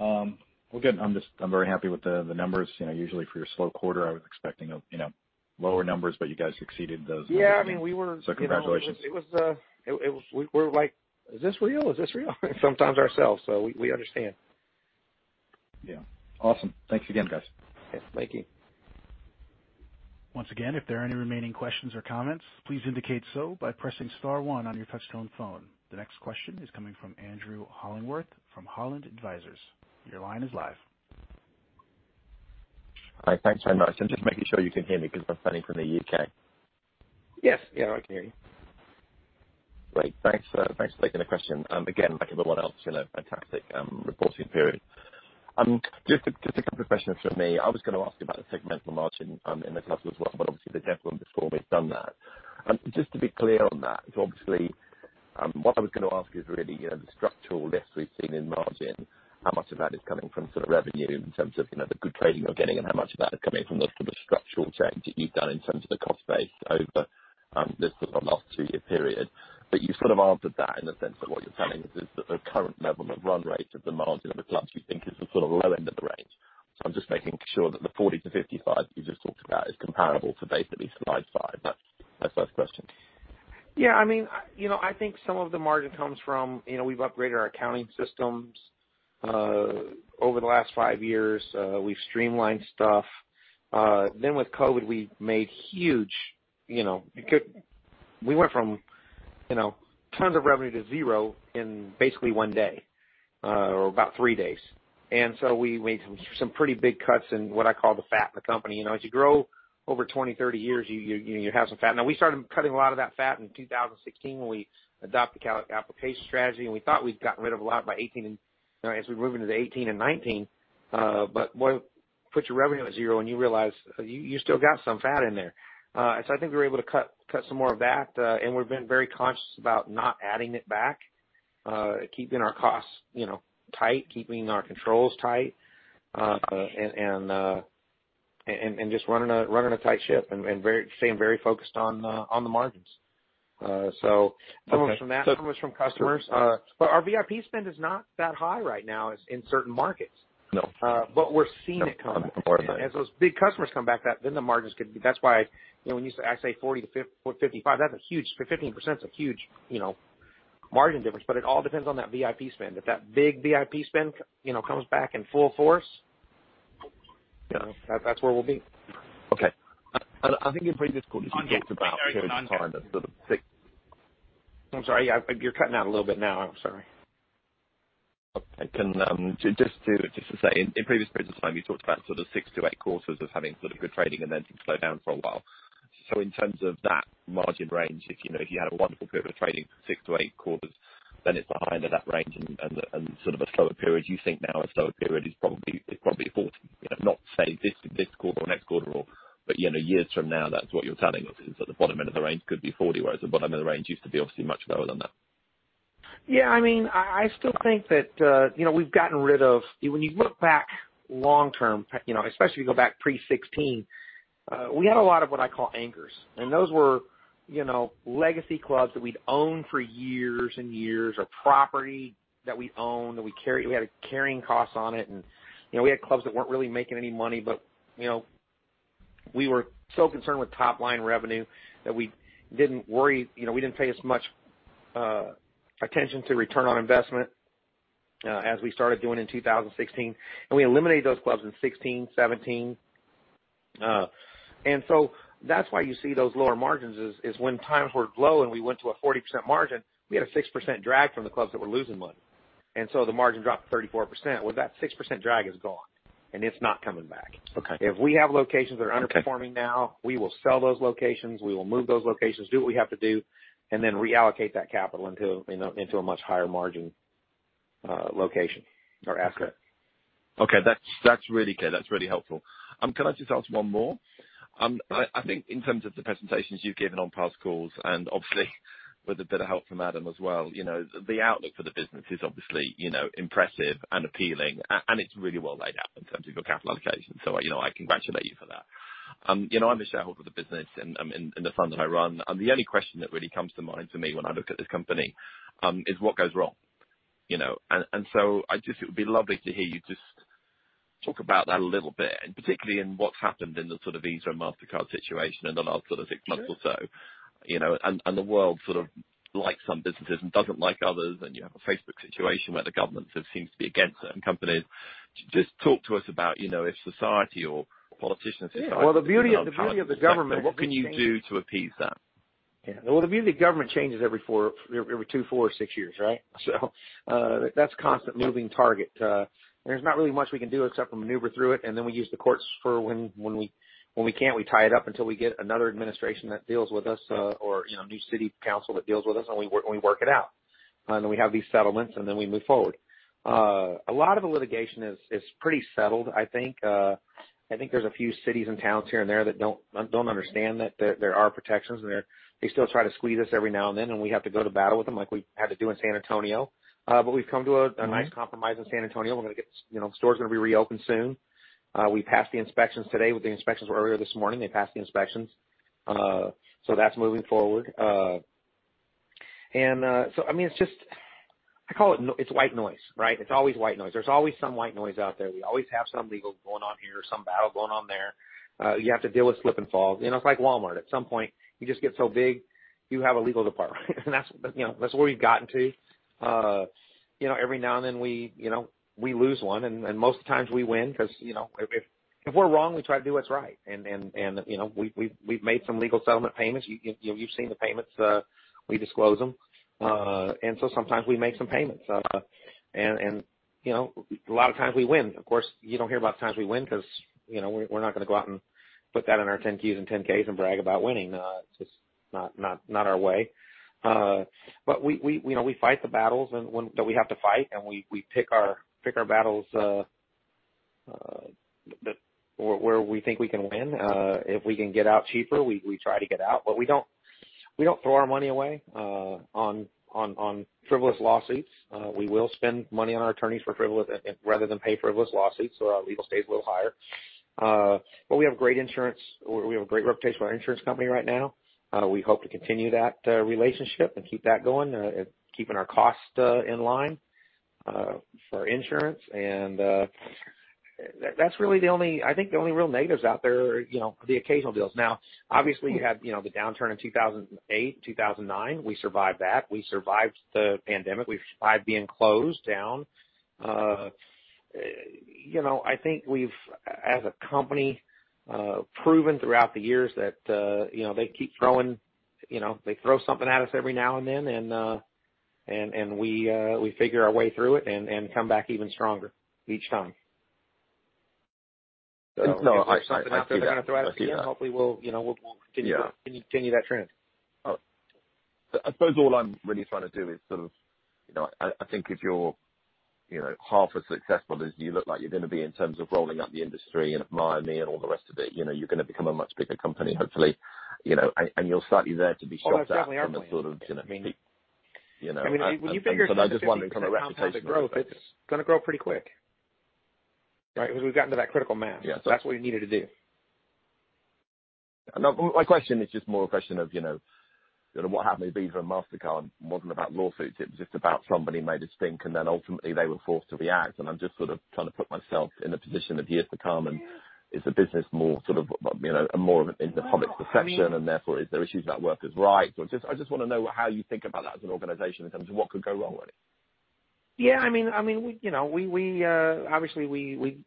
Well, good. I'm very happy with the numbers. You know, usually for your slow quarter, I was expecting, you know, lower numbers, but you guys exceeded those. Yeah. I mean, we were- Congratulations. It was. We were like, "Is this real? Is this real?" Sometimes ourselves. We understand. Yeah. Awesome. Thanks again, guys. Yes. Thank you. Once again, if there are any remaining questions or comments, please indicate so by pressing star one on your touchtone phone. The next question is coming from Andrew Hollingworth from Holland Advisors. Your line is live. Hi. Thanks so much. I'm just making sure you can hear me because I'm phoning from the U.K. Yes. Yeah, I can hear you. Great. Thanks for taking the question. Again, like everyone else, you know, fantastic reporting period. Just a couple of questions from me. I was gonna ask about the segmental margin in the clubs as well, but obviously the gentleman before me has done that. Just to be clear on that, because obviously what I was gonna ask is really, you know, the structural lift we've seen in margin, how much of that is coming from sort of revenue in terms of, you know, the good trading you're getting and how much of that is coming from the sort of structural change that you've done in terms of the cost base over this sort of last two-year period. You sort of answered that in the sense that what you're telling us is that the current level of run rate of the margin of the clubs you think is the sort of low end of the range. I'm just making sure that the 40%-55% you just talked about is comparable to basically Slide five. That's first question. Yeah, I mean, you know, I think some of the margin comes from, you know, we've upgraded our accounting systems over the last five years. We've streamlined stuff. Then with COVID, we made huge, you know. We went from, you know, tons of revenue to zero in basically one day or about three days. We made some pretty big cuts in what I call the fat in the company. You know, as you grow over 20, 30 years, you have some fat. Now, we started cutting a lot of that fat in 2016 when we adopted capital allocation strategy, and we thought we'd gotten rid of a lot by 2018. As we move into the 2018 and 2019. When you put your revenue at zero and you realize you still got some fat in there. I think we were able to cut some more of that, and we've been very conscious about not adding it back, keeping our costs, you know, tight, keeping our controls tight, and just running a tight ship and staying very focused on the margins. Some of it's from that, some of it's from customers. Our VIP spend is not that high right now as in certain markets. We're seeing it come back. As those big customers come back, that, then the margins could be. That's why, you know, when you say, I say 40%-55%, that's a huge, 15% is a huge, you know, margin difference. But it all depends on that VIP spend. If that big VIP spend, you know, comes back in full force, you know, that's where we'll be. Okay. I think in previous calls you talked about- I'm sorry. You're cutting out a little bit now. I'm sorry. Okay. Can I just say in previous periods of time, you talked about sort of six to eight quarters of having sort of good trading and then some slowdown for a while. In terms of that margin range, if you know, if you had a wonderful period of trading six to eight quarters, then it's beyond that range and sort of a slower period. Do you think now a slower period is probably 40%? You know, not saying this quarter or next quarter or years from now, that's what you're telling us, is that the bottom end of the range could be 40%, whereas the bottom of the range used to be obviously much lower than that. Yeah, I mean, I still think that, you know, we've gotten rid of. When you look back long-term, you know, especially if you go back pre-2016, we had a lot of what I call anchors. Those were, you know, legacy clubs that we'd owned for years and years, or property that we own, that we carry. We had a carrying cost on it and, you know, we had clubs that weren't really making any money, but, you know, we were so concerned with top line revenue that we didn't worry. You know, we didn't pay as much attention to return on investment as we started doing in 2016. We eliminated those clubs in 2016, 2017. That's why you see those lower margins, is when times were low and we went to a 40% margin, we had a 6% drag from the clubs that were losing money. The margin dropped 34%. Well, that 6% drag is gone, and it's not coming back. If we have locations that are underperforming now, we will sell those locations, we will move those locations, do what we have to do, and then reallocate that capital into, you know, into a much higher margin location or asset. Okay. That's really clear. That's really helpful. Can I just ask one more? I think in terms of the presentations you've given on past calls, and obviously with a bit of help from Adam as well, you know, the outlook for the business is obviously, you know, impressive and appealing, and it's really well laid out in terms of your capital allocation. I congratulate you for that. You know, I'm a shareholder of the business in the fund that I run, and the only question that really comes to mind for me when I look at this company is what goes wrong. You know, and so I just. It would be lovely to hear you just talk about that a little bit, and particularly in what's happened in the sort of Visa, Mastercard situation in the last sort of six months or so. You know, and the world sort of likes some businesses and doesn't like others, and you have a Facebook situation where the government sort of seems to be against certain companies. Just talk to us about, you know, if society or politicians decide to come after you in the sector. What can you do to appease that? Yeah. Well, the beauty of the government changes every two, four, or six years, right? That's a constant moving target. There's not really much we can do except for maneuver through it, and then we use the courts. When we can't, we tie it up until we get another administration that deals with us, or, you know, a new city council that deals with us, and we work it out. We have these settlements, and we move forward. A lot of the litigation is pretty settled, I think. I think there's a few cities and towns here and there that don't understand that there are protections, and they still try to squeeze us every now and then, and we have to go to battle with them like we had to do in San Antonio. We've come to a nice compromise in San Antonio. You know, store's gonna be reopened soon. We passed the inspections today. The inspections were earlier this morning, they passed the inspections. That's moving forward. I mean, it's just white noise, right? It's always white noise. There's always some white noise out there. We always have some legal going on here, some battle going on there. You have to deal with slip and falls. You know, it's like Walmart. At some point, you just get so big, you have a legal department. That's where we've gotten to. You know, every now and then we lose one and most of the times we win because you know, if we're wrong, we try to do what's right. You know, we've made some legal settlement payments. You've seen the payments. We disclose them. Sometimes we make some payments. You know, a lot of times we win. Of course, you don't hear about the times we win because you know, we're not gonna go out and put that in our 10-Qs and 10-Ks and brag about winning. It's just not our way. We fight the battles that we have to fight, and we pick our battles where we think we can win. If we can get out cheaper, we try to get out. We don't throw our money away on frivolous lawsuits. We will spend money on our attorneys rather than pay frivolous lawsuits, so our legal stays a little higher. We have great insurance. We have a great reputation with our insurance company right now. We hope to continue that relationship and keep that going, keeping our costs in line for insurance. I think the only real negatives out there are, you know, the occasional deals. Now, obviously, you have, you know, the downturn in 2008, 2009. We survived that. We survived the pandemic. We survived being closed down. You know, I think we've, as a company, proven throughout the years that, you know, they throw something at us every now and then and we figure our way through it and come back even stronger each time. No, I see that. I see that. Something else they're gonna throw at us again, we'll, you know, continue that trend. I suppose all I'm really trying to do is sort of you know, I think if you're you know, half as successful as you look like you're gonna be in terms of rolling up the industry in Miami and all the rest of it, you know, you're gonna become a much bigger company, hopefully. You know, and you'll certainly be there to be shot at from the sort of, you know. I'm just wondering kind of reputationally- I mean, when you figure 250% compound rate of growth, it's gonna grow pretty quick, right? Because we've gotten to that critical mass. That's what we needed to do. No, my question is just more a question of, you know, what happened with Visa and Mastercard wasn't about lawsuits, it was just about somebody made a stink and then ultimately they were forced to react. I'm just sort of trying to put myself in the position of years to come, and is the business more sort of, you know, more of in the public perception, and therefore is there issues about workers' rights? Or just, I just wanna know how you think about that as an organization in terms of what could go wrong with it. Yeah, I mean, we, you know, obviously, we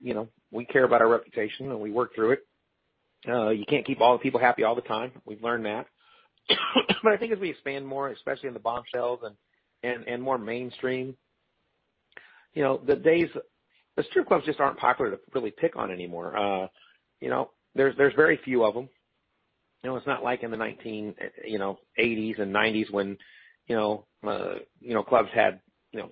care about our reputation and we work through it. You can't keep all the people happy all the time. We've learned that. I think as we expand more, especially in the Bombshells and more mainstream. You know, the days, the strip clubs just aren't popular to really pick on anymore. You know, there's very few of them. You know, it's not like in the 1980s and 1990s when, you know, clubs had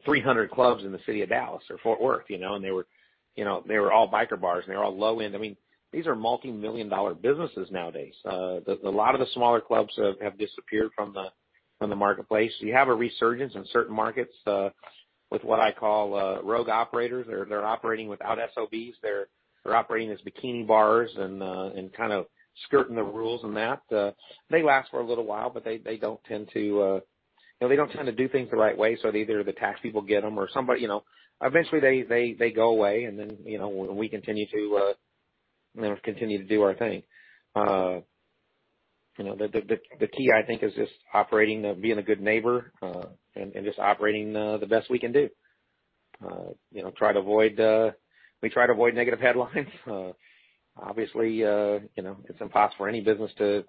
300 clubs in the city of Dallas or Fort Worth, you know, and they were all biker bars and they were all low end. I mean, these are multimillion dollar businesses nowadays. A lot of the smaller clubs have disappeared from the marketplace. You have a resurgence in certain markets with what I call rogue operators. They're operating without SOBs. They're operating as bikini bars and kind of skirting the rules and that. They last for a little while, but they don't tend to, you know, do things the right way. Either the tax people get them or somebody, you know. Eventually they go away, and then, you know, we continue to do our thing. You know, the key I think is just operating, being a good neighbor, and just operating the best we can do. You know, we try to avoid negative headlines. Obviously, you know, it's impossible for any business to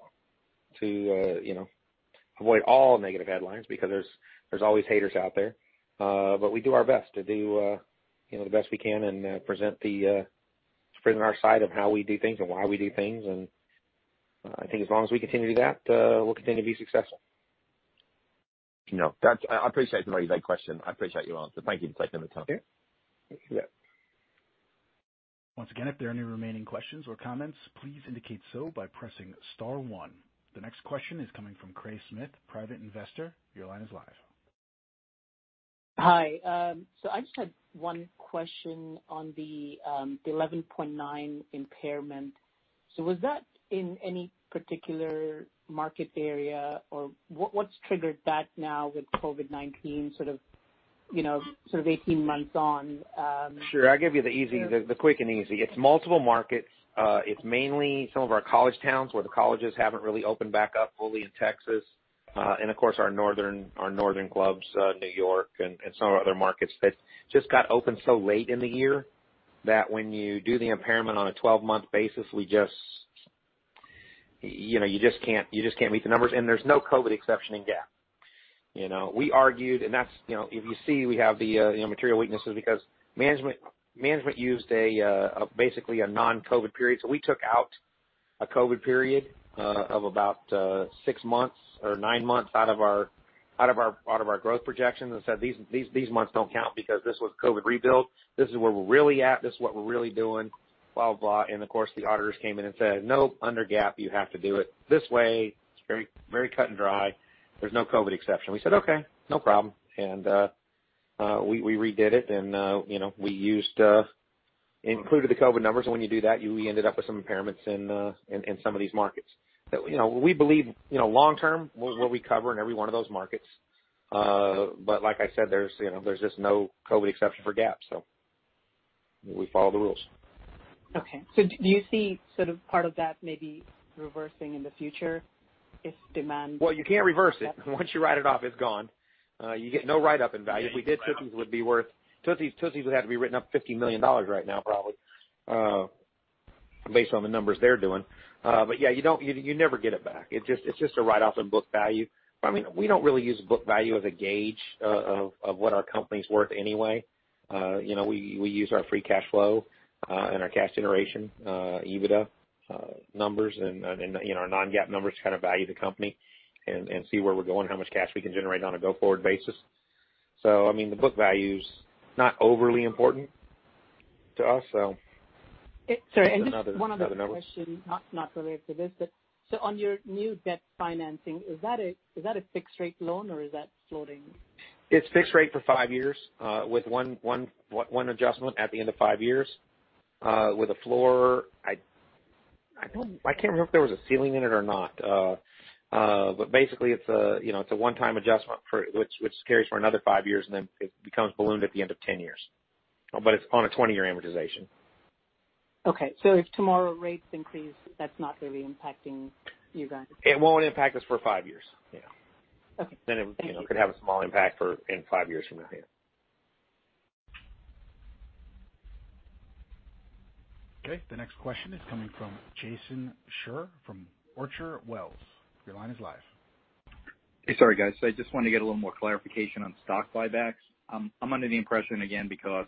you know, avoid all negative headlines because there's always haters out there. We do our best to do you know the best we can and present our side of how we do things and why we do things. I think as long as we continue to do that, we'll continue to be successful. No, I appreciate the very vague question. I appreciate your answer. Thank you. Thanks for your time. Okay. Yep. Once again, if there are any remaining questions or comments, please indicate so by pressing star one. The next question is coming from Craig Smith, Private Investor. Your line is live. Hi. I just had one question on the 11.9% impairment. Was that in any particular market area or what's triggered that now with COVID-19 sort of, you know, sort of 18 months on, Sure. I'll give you the easy, the quick and easy. It's multiple markets. It's mainly some of our college towns where the colleges haven't really opened back up fully in Texas. And of course, our northern clubs, New York and some of our other markets that just got opened so late in the year that when you do the impairment on a 12-month basis, you know, you just can't meet the numbers. There's no COVID exception in GAAP. You know, we argued, and that's, you know, if you see, we have the material weaknesses because management used basically a non-COVID period. We took out a COVID period of about six months or nine months out of our growth projections and said, "These months don't count because this was COVID rebuild. This is where we're really at, this is what we're really doing," blah, blah. Of course, the auditors came in and said, "No, under GAAP, you have to do it this way. It's very cut and dried. There's no COVID exception." We said, "Okay, no problem." We redid it and you know, we included the COVID numbers, and when you do that, we ended up with some impairments in some of these markets. That you know we believe you know long term we'll recover in every one of those markets. Like I said, there's just no COVID exception for GAAP, so we follow the rules. Okay. Do you see sort of part of that maybe reversing in the future if demand? Well, you can't reverse it. Once you write it off, it's gone. You get no write-up in value. If we did, Tootsie's would be worth, Tootsie's would have to be written up $50 million right now, probably, based on the numbers they're doing. But yeah, you don't, you never get it back. It's just a write-off of book value. I mean, we don't really use book value as a gauge of what our company's worth anyway. You know, we use our free cash flow and our cash generation, EBITDA numbers and, you know, our non-GAAP numbers to kind of value the company and see where we're going, how much cash we can generate on a go-forward basis. I mean, the book value's not overly important to us, so. Sorry. One other question, not related to this, but so on your new debt financing, is that a fixed rate loan or is that floating? It's fixed rate for five years with one adjustment at the end of five years with a floor. I can't remember if there was a ceiling in it or not. Basically it's a, you know, one-time adjustment for which carries for another five years, and then it becomes ballooned at the end of 10 years. It's on a 20-year amortization. Okay. If tomorrow rates increase, that's not really impacting you guys. It won't impact us for five years. Yeah. Okay. Thank you. It, you know, could have a small impact in five years from now. Okay. The next question is coming from Jason Scheurer from Orchard Wealth. Your line is live. Hey, sorry, guys. I just wanted to get a little more clarification on stock buybacks. I'm under the impression again because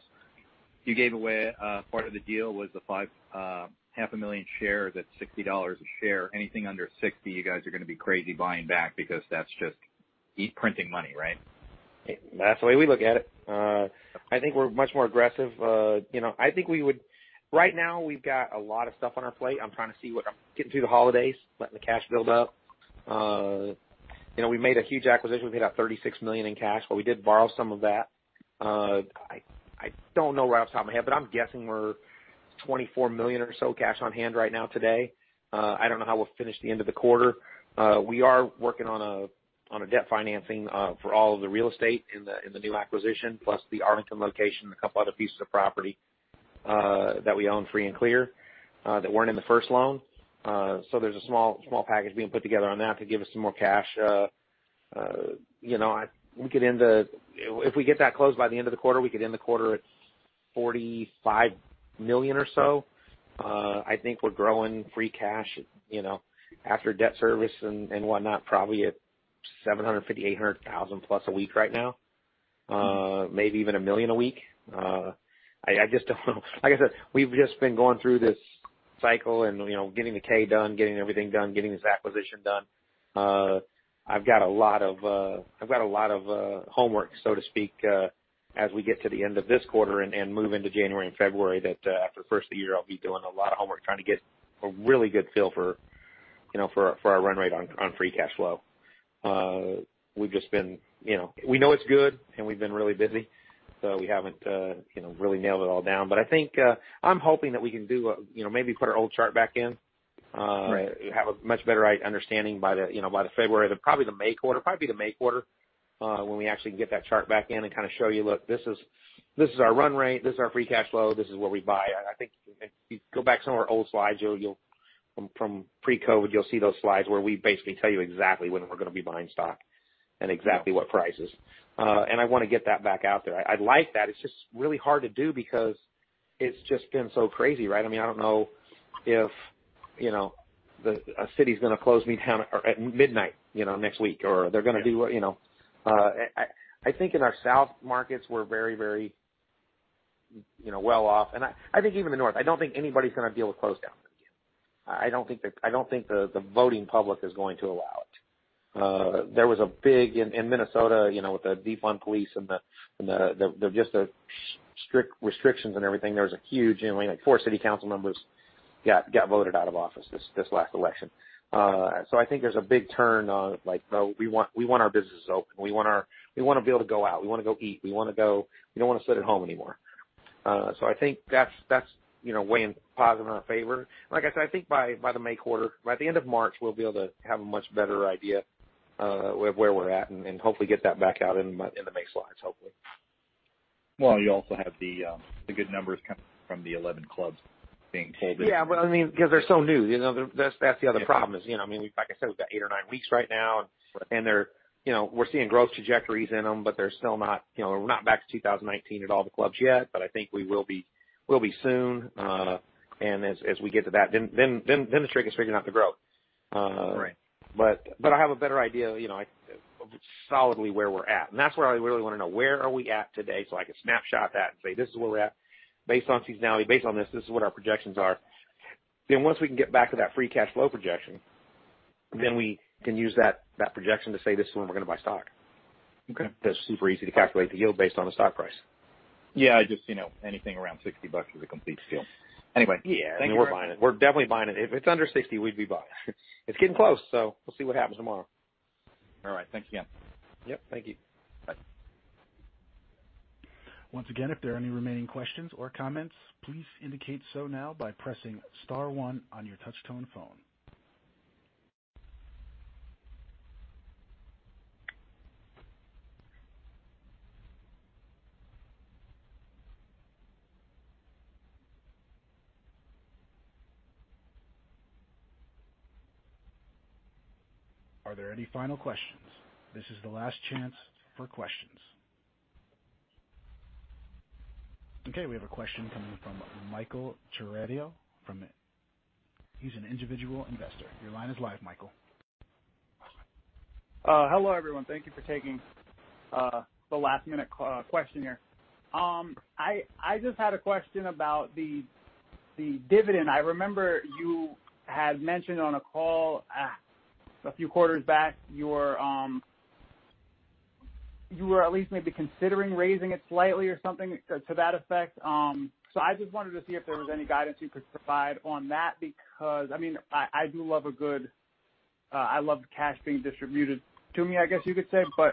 you gave away part of the deal was the 5.5 million shares at $60 a share. Anything under $60, you guys are gonna be crazy buying back because that's just printing money, right? That's the way we look at it. I think we're much more aggressive. You know, I think we would. Right now we've got a lot of stuff on our plate. I'm trying to see what I'm getting through the holidays, letting the cash build up. You know, we made a huge acquisition. We paid out $36 million in cash, but we did borrow some of that. I don't know right off the top of my head, but I'm guessing we're $24 million or so cash on hand right now today. I don't know how we'll finish the end of the quarter. We are working on a debt financing for all of the real estate in the new acquisition, plus the Arlington location and a couple other pieces of property that we own free and clear that weren't in the first loan. There's a small package being put together on that to give us some more cash. If we get that closed by the end of the quarter, we could end the quarter at $45 million or so. I think we're growing free cash, you know, after debt service and whatnot, probably at $750,000-$800,000+ a week right now, maybe even $1 million a week. I just don't know. Like I said, we've just been going through this cycle and, you know, getting the K done, getting everything done, getting this acquisition done. I've got a lot of homework, so to speak, as we get to the end of this quarter and move into January and February that for the first of the year, I'll be doing a lot of homework, trying to get a really good feel for, you know, our run rate on free cash flow. You know, we know it's good, and we've been really busy, so we haven't, you know, really nailed it all down. I think, I'm hoping that we can do, you know, maybe put our old chart back in. Have a much better understanding by the, you know, by the February, probably the May quarter, when we actually can get that chart back in and kind of show you, look, this is our run rate, this is our free cash flow, this is where we buy. I think if you go back to some of our old slides, from pre-COVID, you'll see those slides where we basically tell you exactly when we're gonna be buying stock and exactly what prices. I wanna get that back out there. I'd like that. It's just really hard to do because it's just been so crazy, right? I mean, I don't know if, you know, a city's gonna close me down at midnight, you know, next week or they're gonna do, you know. I think in our south markets we're very, you know, well off and I think even the north. I don't think anybody's gonna deal with close down again. I don't think the voting public is going to allow it. In Minnesota, you know, with the defund police and the just the strict restrictions and everything, there was a huge, you know, like, four city council members got voted out of office this last election. I think there's a big turn on like, no, we want our businesses open. We want our... We wanna be able to go out. We wanna go eat. We wanna go... We don't wanna sit at home anymore. I think that's, you know, weighing positive in our favor. Like I said, I think by the May quarter, by the end of March, we'll be able to have a much better idea of where we're at and hopefully get that back out in the May slides hopefully. Well, you also have the good numbers coming from the 11 clubs being folded. Yeah, I mean, because they're so new, you know. That's the other problem is, you know, I mean, like I said, we've got eight or nine weeks right now. They're, you know, we're seeing growth trajectories in them, but they're still not, you know, we're not back to 2019 at all the clubs yet, but I think we will be, we'll be soon. As we get to that, then the trick is figuring out the growth. I have a better idea, you know, solidly where we're at. That's where I really wanna know where are we at today, so I can snapshot that and say, "This is where we at based on seasonality, based on this is what our projections are." Once we can get back to that free cash flow projection, we can use that projection to say, this is when we're gonna buy stock. That's super easy to calculate the yield based on the stock price. Yeah. Just, you know, anything around $60 is a complete steal. Anyway. Yeah. Thank you. We're buying it. We're definitely buying it. If it's under $60 we'd be buying. It's getting close, so we'll see what happens tomorrow. All right. Thanks again. Yep, thank you. Bye. Once again, if there are any remaining questions or comments, please indicate so now by pressing star one on your touch tone phone. Are there any final questions? This is the last chance for questions. Okay, we have a question coming from Michael Toredio from. He's an individual investor. Your line is live, Michael. Hello everyone. Thank you for taking the last-minute question here. I just had a question about the dividend. I remember you had mentioned on a call a few quarters back, you were at least maybe considering raising it slightly or something to that effect. So I just wanted to see if there was any guidance you could provide on that, because I mean I love cash being distributed to me, I guess you could say. By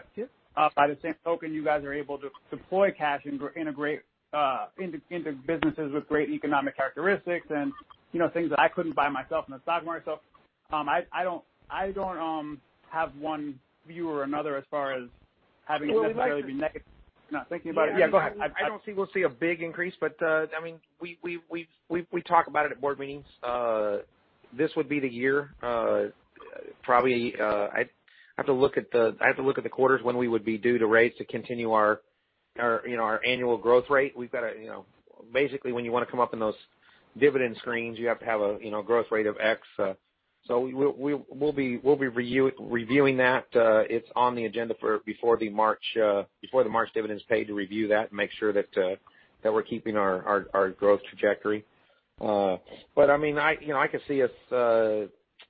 the same token, you guys are able to deploy cash into businesses with great economic characteristics and you know things that I couldn't buy myself in the stock market. I don't have one view or another as far as having it necessarily be. No. Yeah, go ahead. I don't think we'll see a big increase, but I mean, we talk about it at board meetings. This would be the year, probably. I'd have to look at the quarters when we would be due to raise to continue our annual growth rate. We've got to, you know, basically when you want to come up in those dividend screens, you have to have a growth rate of x. We'll be reviewing that. It's on the agenda for before the March dividend is paid to review that and make sure that we're keeping our growth trajectory. I mean, you know, I could see us,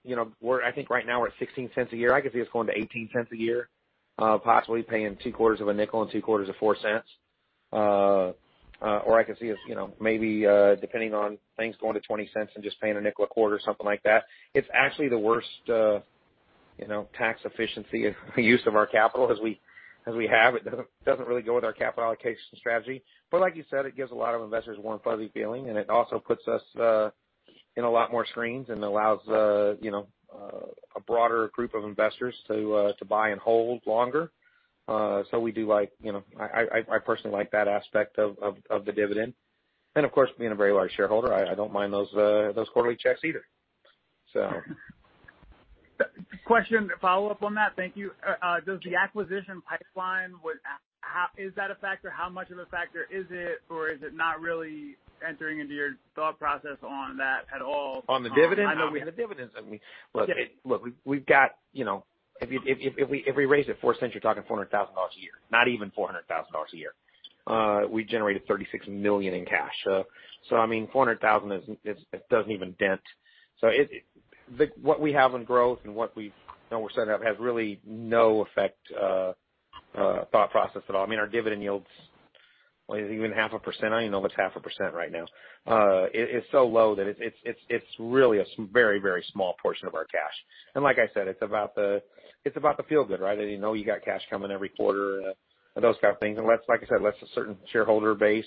you know, I think right now we're at $0.16 a year. I could see us going to $0.18 a year, possibly paying two quarters of $0.05 and two quarters of $0.04. Or I could see us, you know, maybe, depending on things going to $0.20 and just paying $0.05 a quarter or something like that. It's actually the worst, you know, tax efficiency use of our capital as we have. It doesn't really go with our capital allocation strategy. Like you said, it gives a lot of investors warm, fuzzy feeling, and it also puts us in a lot more screens and allows, you know, a broader group of investors to buy and hold longer. We do like, you know, I personally like that aspect of the dividend. Of course, being a very large shareholder, I don't mind those quarterly checks either. Question to follow up on that. Thank you. The acquisition pipeline, is that a factor? How much of a factor is it, or is it not really entering into your thought process on that at all? On the dividend? Look, we've got, you know, if we raise it $0.04, you're talking $400,000 a year, not even $400,000 a year. We generated $36 million in cash. So I mean, $400,000 is, it doesn't even dent. What we have on growth and what we, you know, we're setting up has really no effect, thought process at all. I mean, our dividend yields, what, even 0.5%. I don't even know if it's 0.5% right now. It's so low that it's really very, very small portion of our cash. Like I said, it's about the feel good, right? You know, you got cash coming every quarter, those kind of things. Let's, like I said, let a certain shareholder base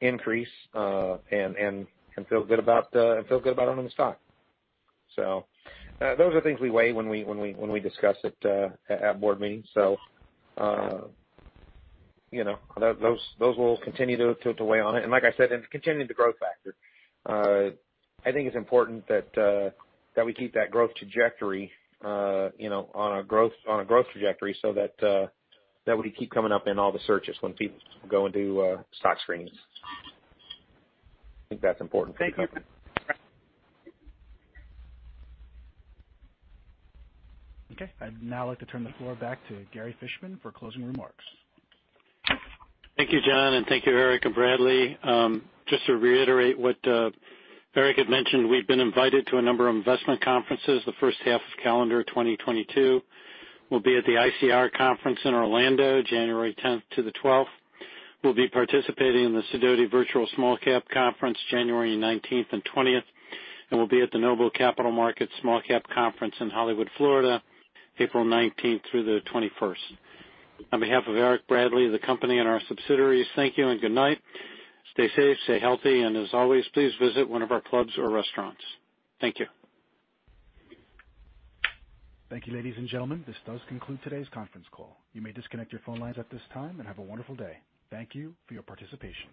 increase and feel good about owning the stock. Those are things we weigh when we discuss it at board meetings. You know, those we'll continue to weigh on it. Like I said, continuing the growth factor, I think it's important that we keep that growth trajectory on a growth trajectory so that we keep coming up in all the searches when people go and do stock screenings. I think that's important. Thank you. Okay, I'd now like to turn the floor back to Gary Fishman for closing remarks. Thank you, John. Thank you, Eric and Bradley. Just to reiterate what Eric had mentioned, we've been invited to a number of investment conferences the first half of calendar 2022. We'll be at the ICR conference in Orlando, January 10th to the 12th. We'll be participating in the Sidoti Virtual Small Cap Conference January 19th and 20th. We'll be at the Noble Capital Markets Small Cap Conference in Hollywood, Florida, April 19th through the 21st. On behalf of Eric, Bradley, the company, and our subsidiaries, thank you and good night. Stay safe, stay healthy, and as always, please visit one of our clubs or restaurants. Thank you. Thank you, ladies and gentlemen. This does conclude today's conference call. You may disconnect your phone lines at this time and have a wonderful day. Thank you for your participation.